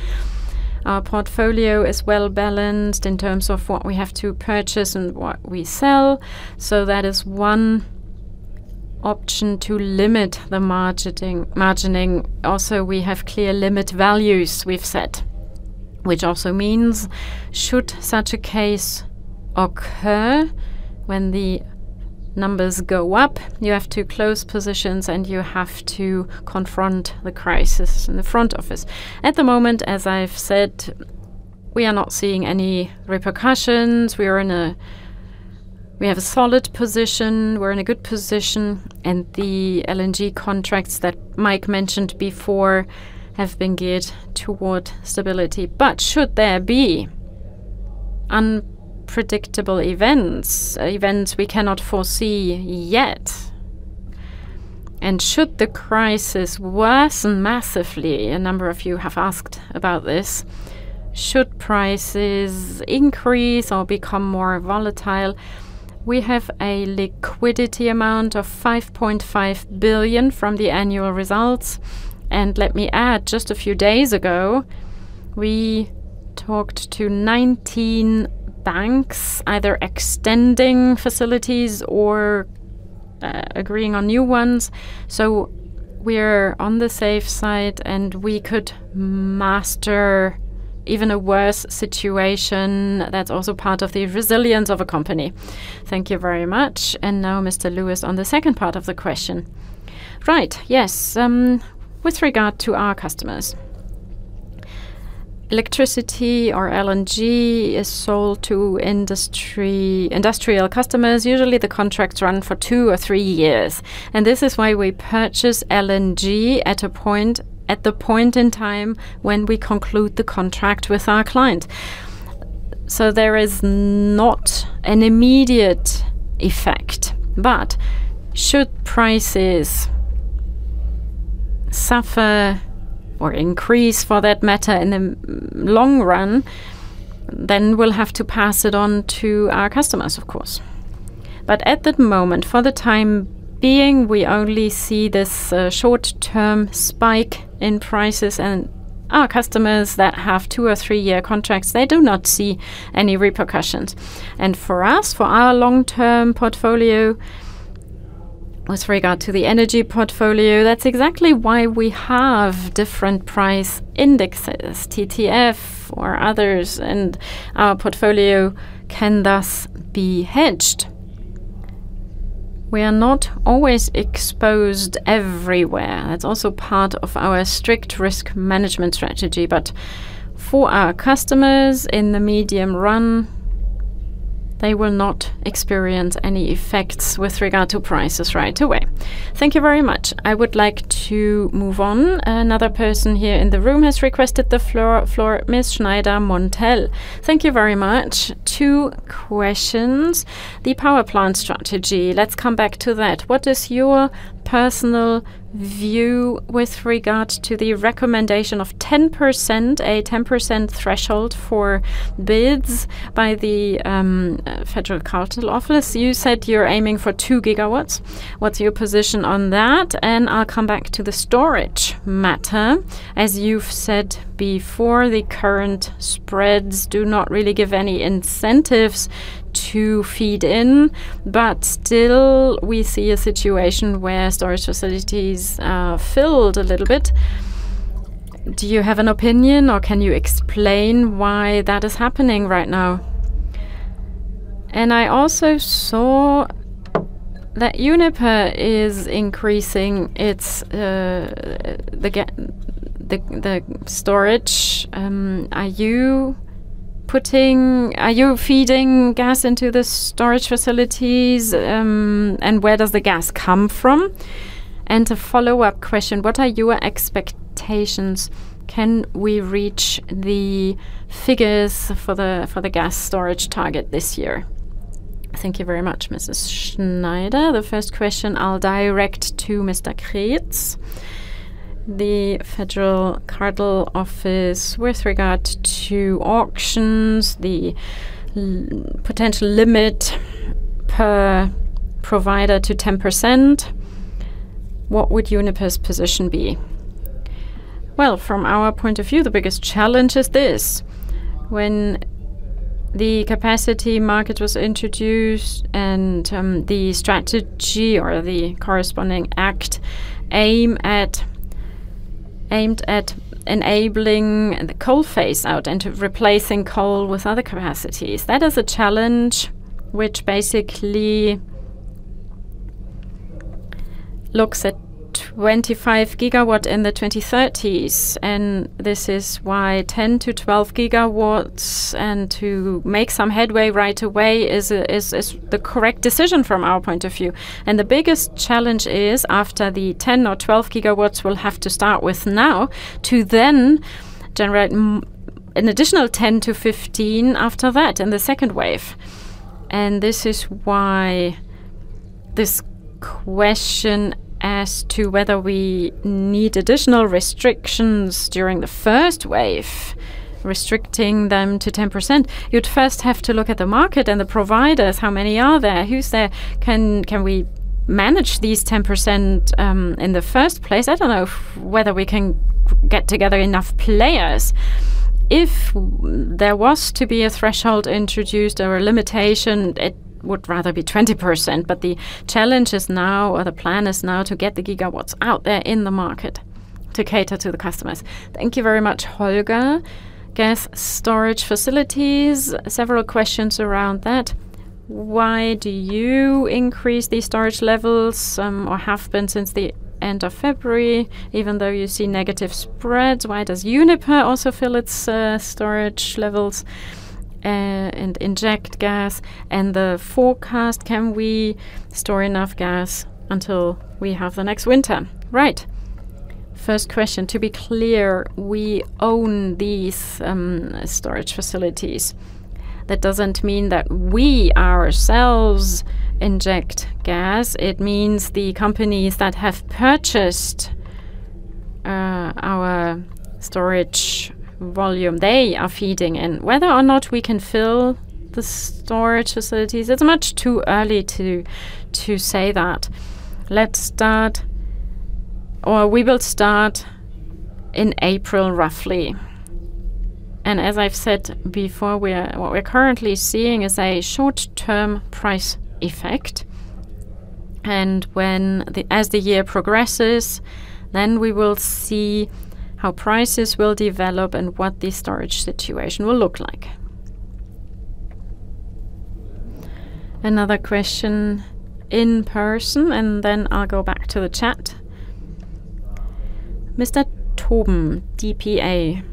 Our portfolio is well-balanced in terms of what we have to purchase and what we sell. That is one option to limit the margining. Also, we have clear limit values we've set, which also means should such a case occur, when the numbers go up, you have to close positions, and you have to confront the crisis in the front office. At the moment, as I've said, we are not seeing any repercussions. We have a solid position. We're in a good position, and the LNG contracts that Mike mentioned before have been geared toward stability. Should there be unpredictable events we cannot foresee yet, and should the crisis worsen massively, a number of you have asked about this, should prices increase or become more volatile, we have a liquidity amount of 5.5 billion from the annual results. Let me add, just a few days ago, we talked to 19 banks, either extending facilities or agreeing on new ones. We're on the safe side, and we could master even a worse situation. That's also part of the resilience of a company. Thank you very much. Now, Mr. Lewis, on the second part of the question. Right. Yes, with regard to our customers, electricity or LNG is sold to industrial customers. Usually, the contracts run for two or three years, and this is why we purchase LNG at the point in time when we conclude the contract with our client. There is not an immediate effect, but should prices suffer or increase for that matter, in the long run, then we'll have to pass it on to our customers, of course. At the moment, for the time being, we only see this short-term spike in prices, and our customers that have two or three-year contracts, they do not see any repercussions. For us, for our long-term portfolio, with regard to the energy portfolio, that's exactly why we have different price indexes, TTF or others, and our portfolio can thus be hedged. We are not always exposed everywhere. That's also part of our strict risk management strategy. For our customers in the medium run, they will not experience any effects with regard to prices right away. Thank you very much. I would like to move on. Another person here in the room has requested the floor. Ms. Schneider, Montel. Thank you very much. Two questions. The power plant strategy, let's come back to that. What is your personal view with regard to the recommendation of 10%, a 10% threshold for bids by the Federal Cartel Office? You said you're aiming for 2 gigawatts. What's your position on that? I'll come back to the storage matter. As you've said before, the current spreads do not really give any incentives to feed in, but still we see a situation where storage facilities are filled a little bit. Do you have an opinion, or can you explain why that is happening right now? I also saw that Uniper is increasing its, the storage. Are you feeding gas into the storage facilities, and where does the gas come from? A follow-up question: What are your expectations? Can we reach the figures for the gas storage target this year? Thank you very much, Ms. Schneider. The first question I'll direct to Mr. Kreetz. The Federal Cartel Office, with regard to auctions, the potential limit per provider to 10%, what would Uniper's position be? Well, from our point of view, the biggest challenge is this. When the capacity market was introduced and the strategy or the corresponding act aimed at enabling the coal phase-out and replacing coal with other capacities, that is a challenge which basically looks at 25 gigawatts in the 2030s, and this is why 10-12 gigawatts and to make some headway right away is the correct decision from our point of view. The biggest challenge is, after the 10 or 12 gigawatts we'll have to start with now, to then generate an additional 10-15 after that in the second wave. This is why this question as to whether we need additional restrictions during the first wave, restricting them to 10%, you'd first have to look at the market and the providers, how many are there, who's there, can we manage these 10% in the first place? I don't know whether we can get together enough players. If there was to be a threshold introduced or a limitation, it would rather be 20%. The challenge is now, or the plan is now to get the gigawatts out there in the market to cater to the customers. Thank you very much, Holger. Gas storage facilities, several questions around that. Why do you increase the storage levels, or have been since the end of February, even though you see negative spreads? Why does Uniper also fill its storage levels and inject gas? The forecast, can we store enough gas until we have the next winter? Right. First question, to be clear, we own these storage facilities. That doesn't mean that we ourselves inject gas. It means the companies that have purchased our storage volume, they are feeding in. Whether or not we can fill the storage facilities, it's much too early to say that. We will start in April, roughly. As I've said before, what we're currently seeing is a short-term price effect. As the year progresses, then we will see how prices will develop and what the storage situation will look like. Another question in person, and then I'll go back to the chat. Mr. TobDPA.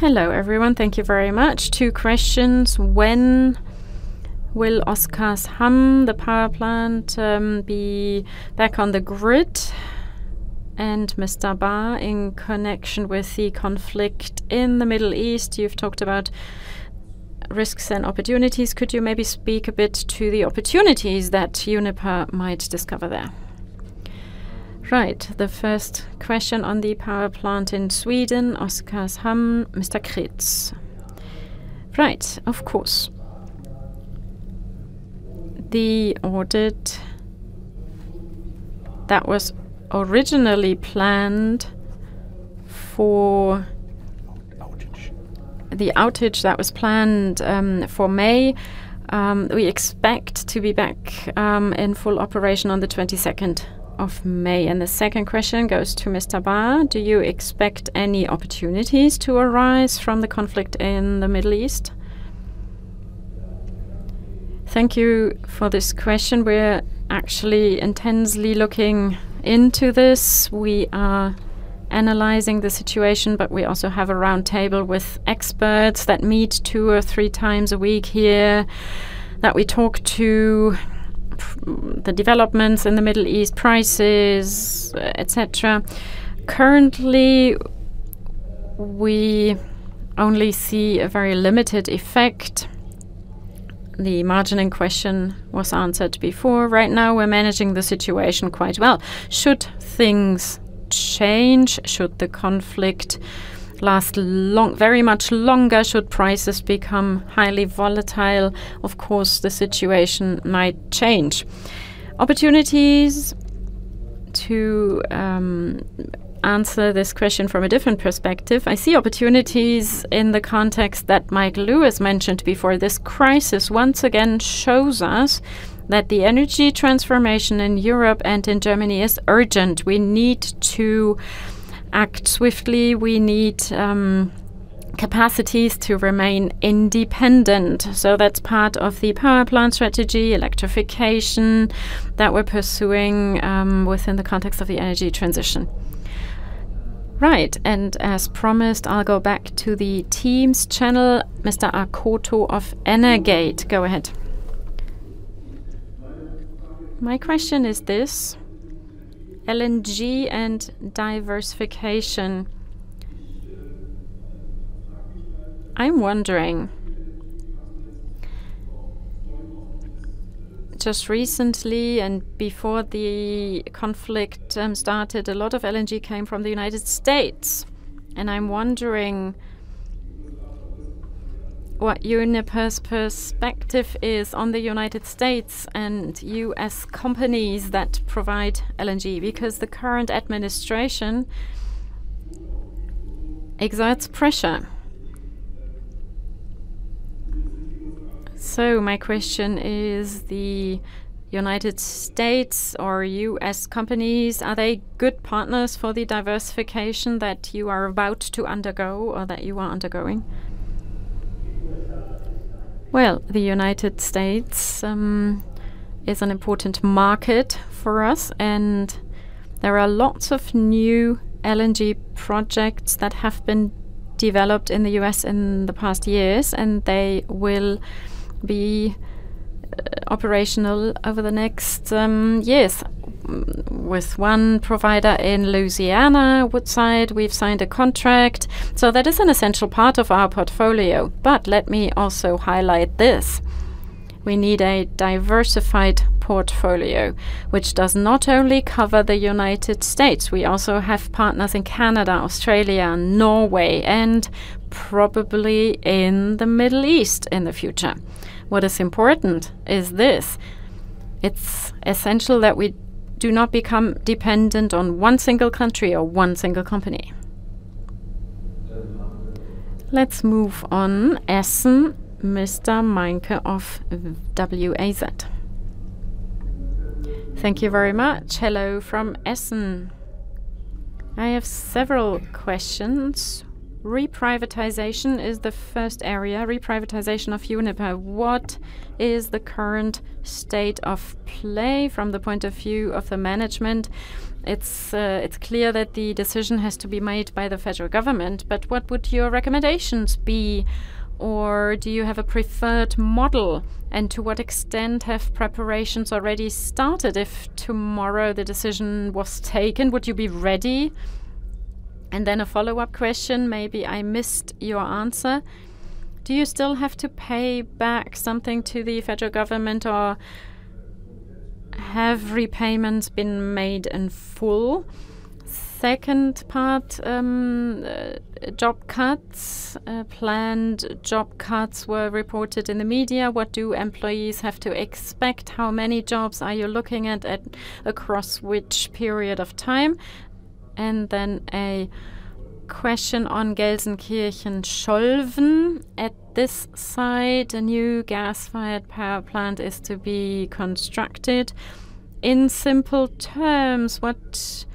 Hello, everyone. Thank you very much. Two questions. When will Oskarshamn, the power plant, be back on the grid? Mr. Bahr, in connection with the conflict in the Middle East, you've talked about risks and opportunities. Could you maybe speak a bit to the opportunities that Uniper might discover there? Right. The first question on the power plant in Sweden, Oskarshamn, Mr. Kreetz. Right, of course. The audit that was originally planned for- Outage. The outage that was planned for May, we expect to be back in full operation on the 22nd of May. The second question goes to Mr. Bahr: Do you expect any opportunities to arise from the conflict in the Middle East? Thank you for this question. We're actually intensely looking into this. We are analyzing the situation, but we also have a roundtable with experts that meet two or three times a week here, that we talk about the developments in the Middle East, prices, et cetera. Currently, we only see a very limited effect. The margin in question was answered before. Right now we're managing the situation quite well. Should things change, should the conflict last much longer, should prices become highly volatile, of course the situation might change. Opportunities to answer this question from a different perspective, I see opportunities in the context that Michael Lewis mentioned before. This crisis once again shows us that the energy transformation in Europe and in Germany is urgent. We need to act swiftly. We need capacities to remain independent, so that's part of the power plant strategy, electrification that we're pursuing within the context of the energy transition. Right. As promised, I'll go back to the Teams channel. Mr. Akoto of Energate, go ahead. My question is this, LNG and diversification. I'm wondering, just recently and before the conflict started, a lot of LNG came from the United States, and I'm wondering what Uniper's perspective is on the United States and U.S. companies that provide LNG, because the current administration exerts pressure. So my question is, the United States or U.S. companies, are they good partners for the diversification that you are about to undergo or that you are undergoing? Well, the United States is an important market for us, and there are lots of new LNG projects that have been developed in the U.S. in the past years, and they will be operational over the next years. With one provider in Louisiana, Woodside, we've signed a contract, so that is an essential part of our portfolio. Let me also highlight this, we need a diversified portfolio which does not only cover the United States. We also have partners in Canada, Australia, Norway, and probably in the Middle East in the future. What is important is this, it's essential that we do not become dependent on one single country or one single company. Let's move on. Essen, Mr. Meinke of WAZ. Thank you very much. Hello from Essen. I have several questions. Reprivatization is the first area, reprivatization of Uniper. What is the current state of play from the point of view of the management? It's clear that the decision has to be made by the federal government, but what would your recommendations be? Or do you have a preferred model, and to what extent have preparations already started? If tomorrow the decision was taken, would you be ready? And then a follow-up question, maybe I missed your answer. Do you still have to pay back something to the federal government, or have repayments been made in full? Second part, job cuts. Planned job cuts were reported in the media. What do employees have to expect? How many jobs are you looking at, across which period of time? And then a question on Gelsenkirchen-Schölven. At this site, a new gas-fired power plant is to be constructed. In simple terms, what's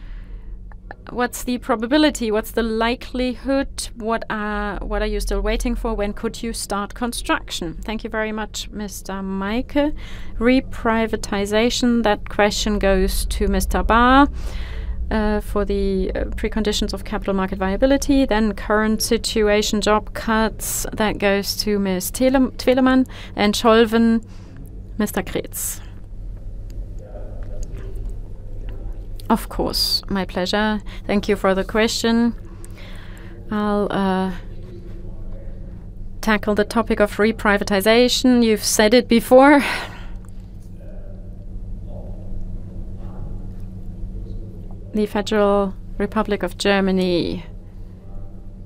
the probability? What's the likelihood? What are you still waiting for? When could you start construction? Thank you very much, Mr. Meinke. Reprivatization, that question goes to Mr. Bahr for the preconditions of capital market viability. Then current situation, job cuts, that goes to Ms. Tuomela. Scholven, Mr. Kreetz. Of course. My pleasure. Thank you for the question. I'll tackle the topic of reprivatization. You've said it before. The Federal Republic of Germany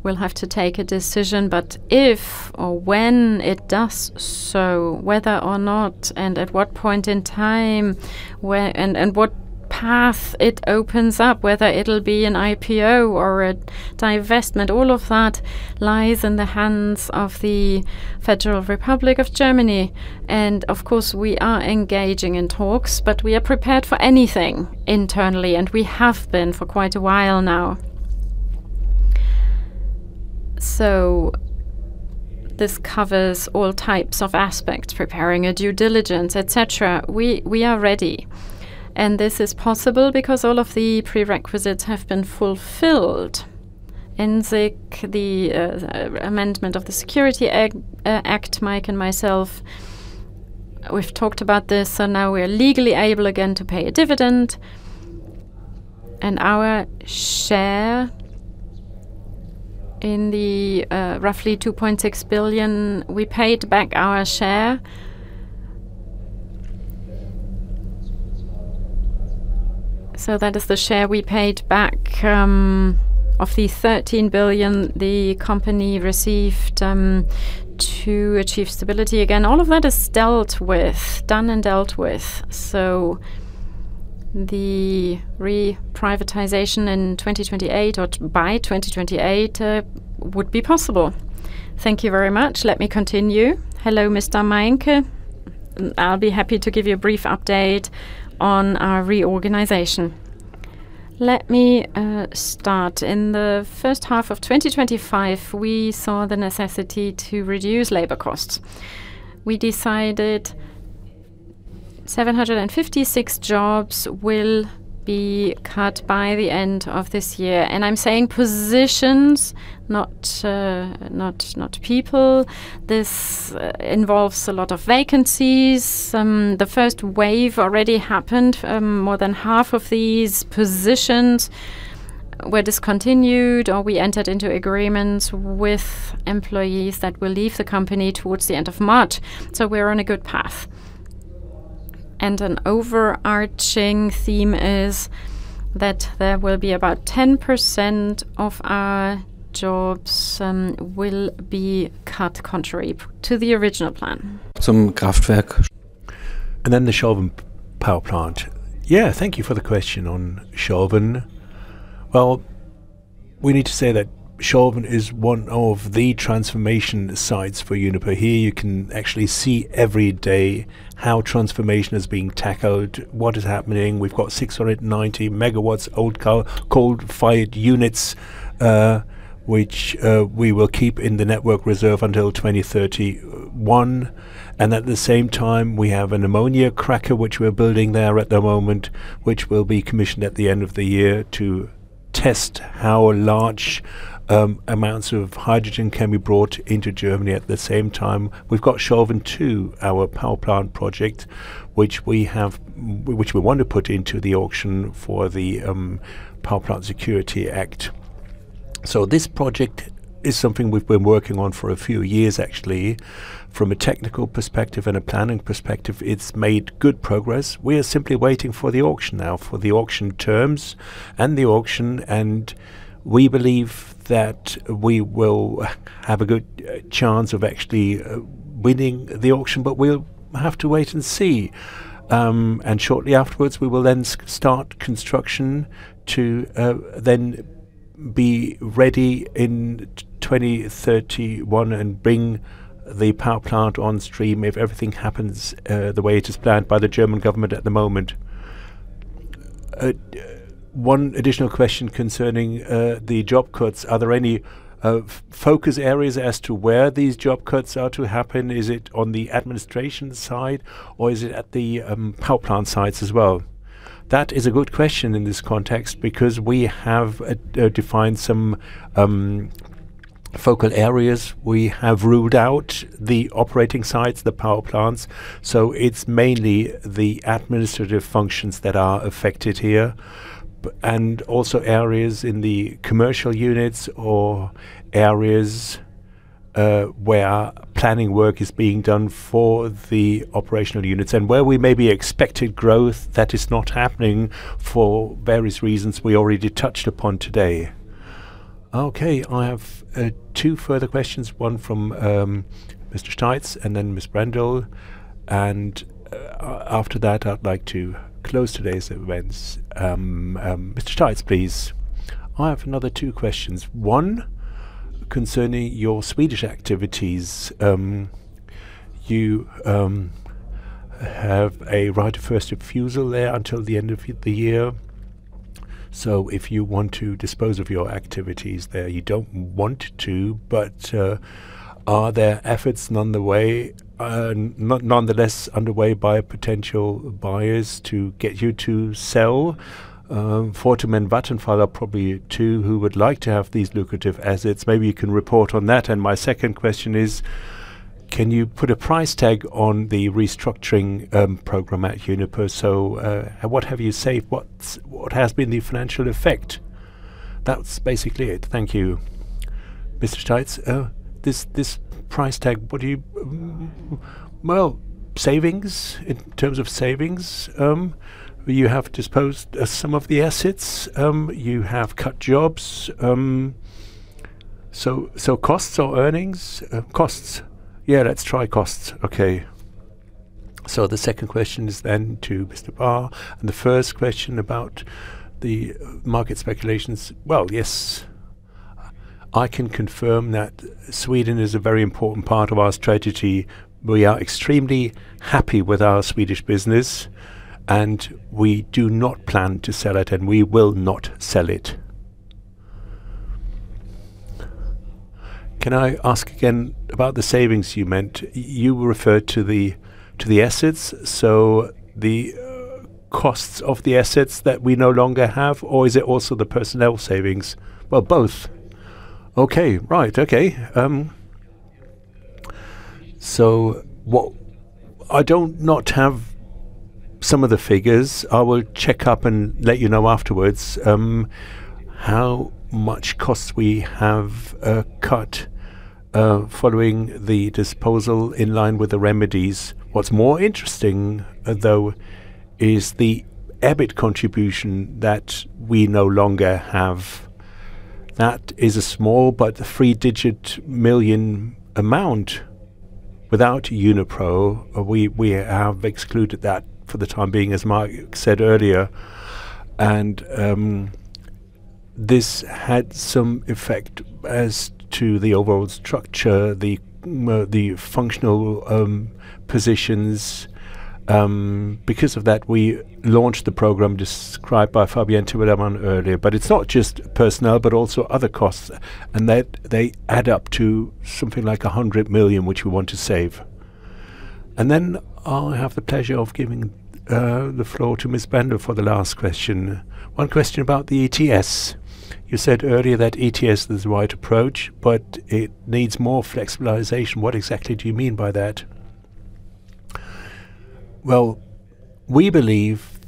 will have to take a decision, but if or when it does so, whether or not and at what point in time and what path it opens up, whether it'll be an IPO or a divestment, all of that lies in the hands of the Federal Republic of Germany. Of course, we are engaging in talks, but we are prepared for anything internally, and we have been for quite a while now. This covers all types of aspects, preparing a due diligence, et cetera. We are ready, and this is possible because all of the prerequisites have been fulfilled. EnSiG, the amendment of the Energy Security Act, Mike and myself, we've talked about this, now we are legally able again to pay a dividend. Our share of the roughly 2.6 billion, we paid back our share. That is the share we paid back of the 13 billion the company received to achieve stability again. All of that is dealt with, done and dealt with, the reprivatization in 2028 or by 2028 would be possible. Thank you very much. Let me continue. Hello, Mr. Meinke. I'll be happy to give you a brief update on our reorganization. Let me start. In the first half of 2025, we saw the necessity to reduce labor costs. We decided 756 jobs will be cut by the end of this year, and I'm saying positions, not people. This involves a lot of vacancies. The first wave already happened. More than half of these positions were discontinued or we entered into agreements with employees that will leave the company towards the end of March. We're on a good path. An overarching theme is that there will be about 10% of our jobs will be cut contrary to the original plan. Some Kraftwerk. Then the Scholven Power Plant. Thank you for the question on Scholven. Well, we need to say that Scholven is one of the transformation sites for Uniper. Here you can actually see every day how transformation is being tackled, what is happening. We've got 690 megawatts old coal-fired units, which we will keep in the network reserve until 2031. At the same time, we have an ammonia cracker, which we are building there at the moment, which will be commissioned at the end of the year to test how large amounts of hydrogen can be brought into Germany. At the same time, we've got Scholven 2, our power plant project, which we want to put into the auction for the Power Plant Safety Act. This project is something we've been working on for a few years, actually. From a technical perspective and a planning perspective, it's made good progress. We are simply waiting for the auction now, for the auction terms and the auction, and we believe that we will have a good chance of actually winning the auction, but we'll have to wait and see. Shortly afterwards, we will then start construction to then be ready in 2031 and bring the power plant on stream if everything happens the way it is planned by the German government at the moment. One additional question concerning the job cuts. Are there any focus areas as to where these job cuts are to happen? Is it on the administration side, or is it at the power plant sites as well? That is a good question in this context because we have defined some focal areas. We have ruled out the operating sites, the power plants, so it's mainly the administrative functions that are affected here, and also areas in the commercial units or areas, where planning work is being done for the operational units and where we maybe expected growth that is not happening for various reasons we already touched upon today. Okay. I have two further questions, one from Mr. Steitz and then Ms. Brendel, and after that, I'd like to close today's events. Mr. Steitz, please. I have another two questions. One, concerning your Swedish activities. You have a right of first refusal there until the end of the year. If you want to dispose of your activities there, you don't want to, but are there efforts underway, nonetheless underway by potential buyers to get you to sell? Fortum and Vattenfall are probably two who would like to have these lucrative assets. Maybe you can report on that. My second question is. Can you put a price tag on the restructuring program at Uniper? What have you saved? What has been the financial effect? That's basically it. Thank you. Mr. Steitz, this price tag, what do you? Well, savings. In terms of savings, you have disposed of some of the assets, you have cut jobs. Costs or earnings? Costs. Yeah, let's try costs. Okay. The second question is then to Mr. Barr, and the first question about the market speculations. Well, yes. I can confirm that Sweden is a very important part of our strategy. We are extremely happy with our Swedish business, and we do not plan to sell it, and we will not sell it. Can I ask again about the savings you meant? You referred to the assets, so the costs of the assets that we no longer have, or is it also the personnel savings? Well, both. Okay. Right. Okay. I do not have some of the figures. I will check up and let you know afterwards how much costs we have cut following the disposal in line with the remedies. What's more interesting though is the EBIT contribution that we no longer have. That is a small but three-digit million amount. Without Unipro, we have excluded that for the time being, as Mark said earlier. This had some effect as to the overall structure, the functional positions. Because of that, we launched the program described by Fabienne Twelemann earlier. It's not just personnel, but also other costs, and that they add up to something like 100 million, which we want to save. Then I'll have the pleasure of giving the floor to Ms. Bender for the last question. One question about the ETS. You said earlier that ETS is the right approach, but it needs more flexibilization. What exactly do you mean by that? Well, we believe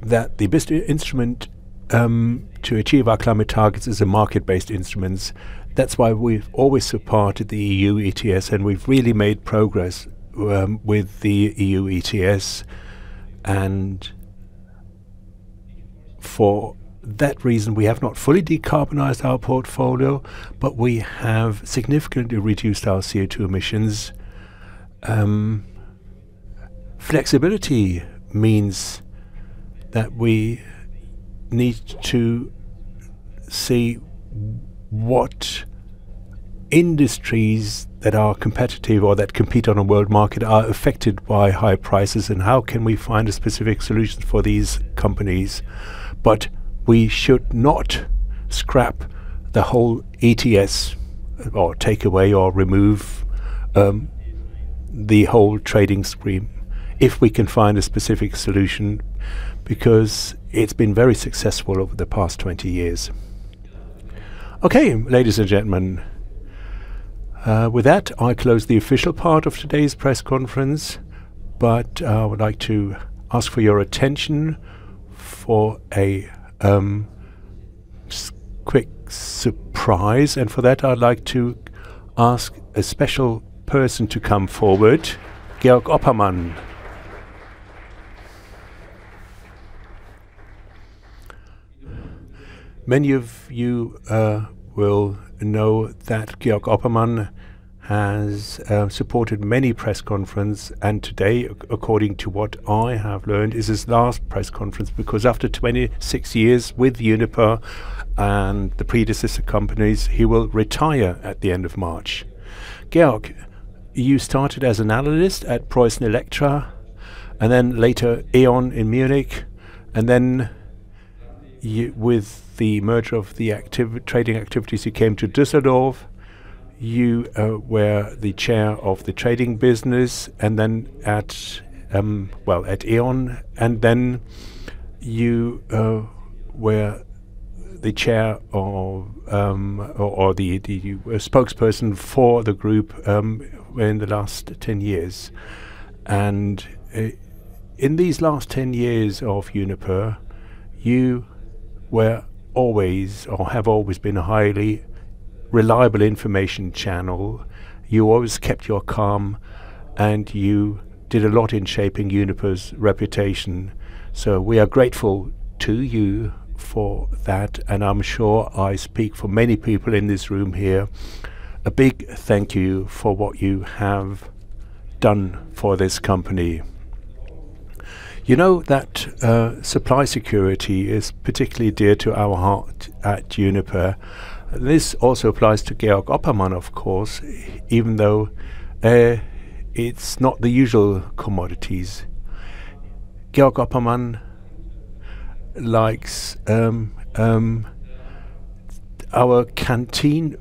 that the best instrument to achieve our climate targets is a market-based instruments. That's why we've always supported the EU ETS, and we've really made progress with the EU ETS. For that reason, we have not fully decarbonized our portfolio, but we have significantly reduced our CO2 emissions. Flexibility means that we need to see what industries that are competitive or that compete on a world market are affected by high prices, and how can we find a specific solution for these companies. We should not scrap the whole ETS or take away or remove the whole trading screen if we can find a specific solution, because it's been very successful over the past 20 years. Okay, ladies and gentlemen. With that, I close the official part of today's press conference, but I would like to ask for your attention for a quick surprise. For that, I'd like to ask a special person to come forward, Georg Oppermann. Many of you will know that Georg Oppermann has supported many press conferences, and today, according to what I have learned, is his last press conference, because after 26 years with Uniper and the predecessor companies, he will retire at the end of March. Georg, you started as an analyst at PreussenElektra and then later E.ON in Munich. With the merger of the trading activities, you came to Düsseldorf. You were the chair of the trading business and then at E.ON. Then you were the chair or the spokesperson for the group in the last 10 years. In these last 10 years of Uniper, you were always or have always been a highly reliable information channel. You always kept your calm, and you did a lot in shaping Uniper's reputation. We are grateful to you for that, and I'm sure I speak for many people in this room here. A big thank you for what you have done for this company. You know that supply security is particularly dear to our heart at Uniper. This also applies to Georg Oppermann, of course, even though it's not the usual commodities. Georg Oppermann likes our canteen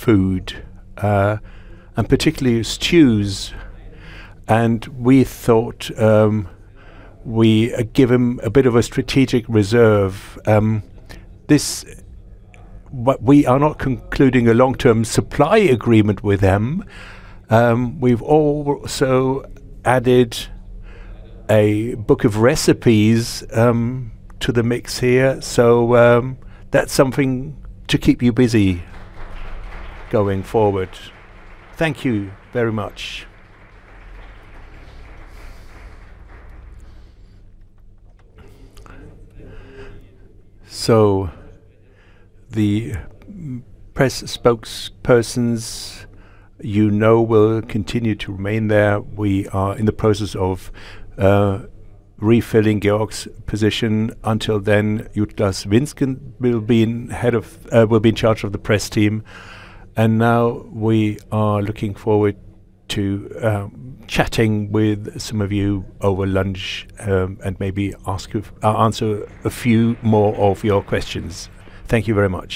food, and particularly stews. And we thought we give him a bit of a strategic reserve. But we are not concluding a long-term supply agreement with him. We've also added a book of recipes to the mix here. That's something to keep you busy going forward. Thank you very much. The press spokespersons you know will continue to remain there. We are in the process of refilling Georg's position. Until then, Jutta Vinsken will be in charge of the press team. Now we are looking forward to chatting with some of you over lunch, and maybe answer a few more of your questions. Thank you very much.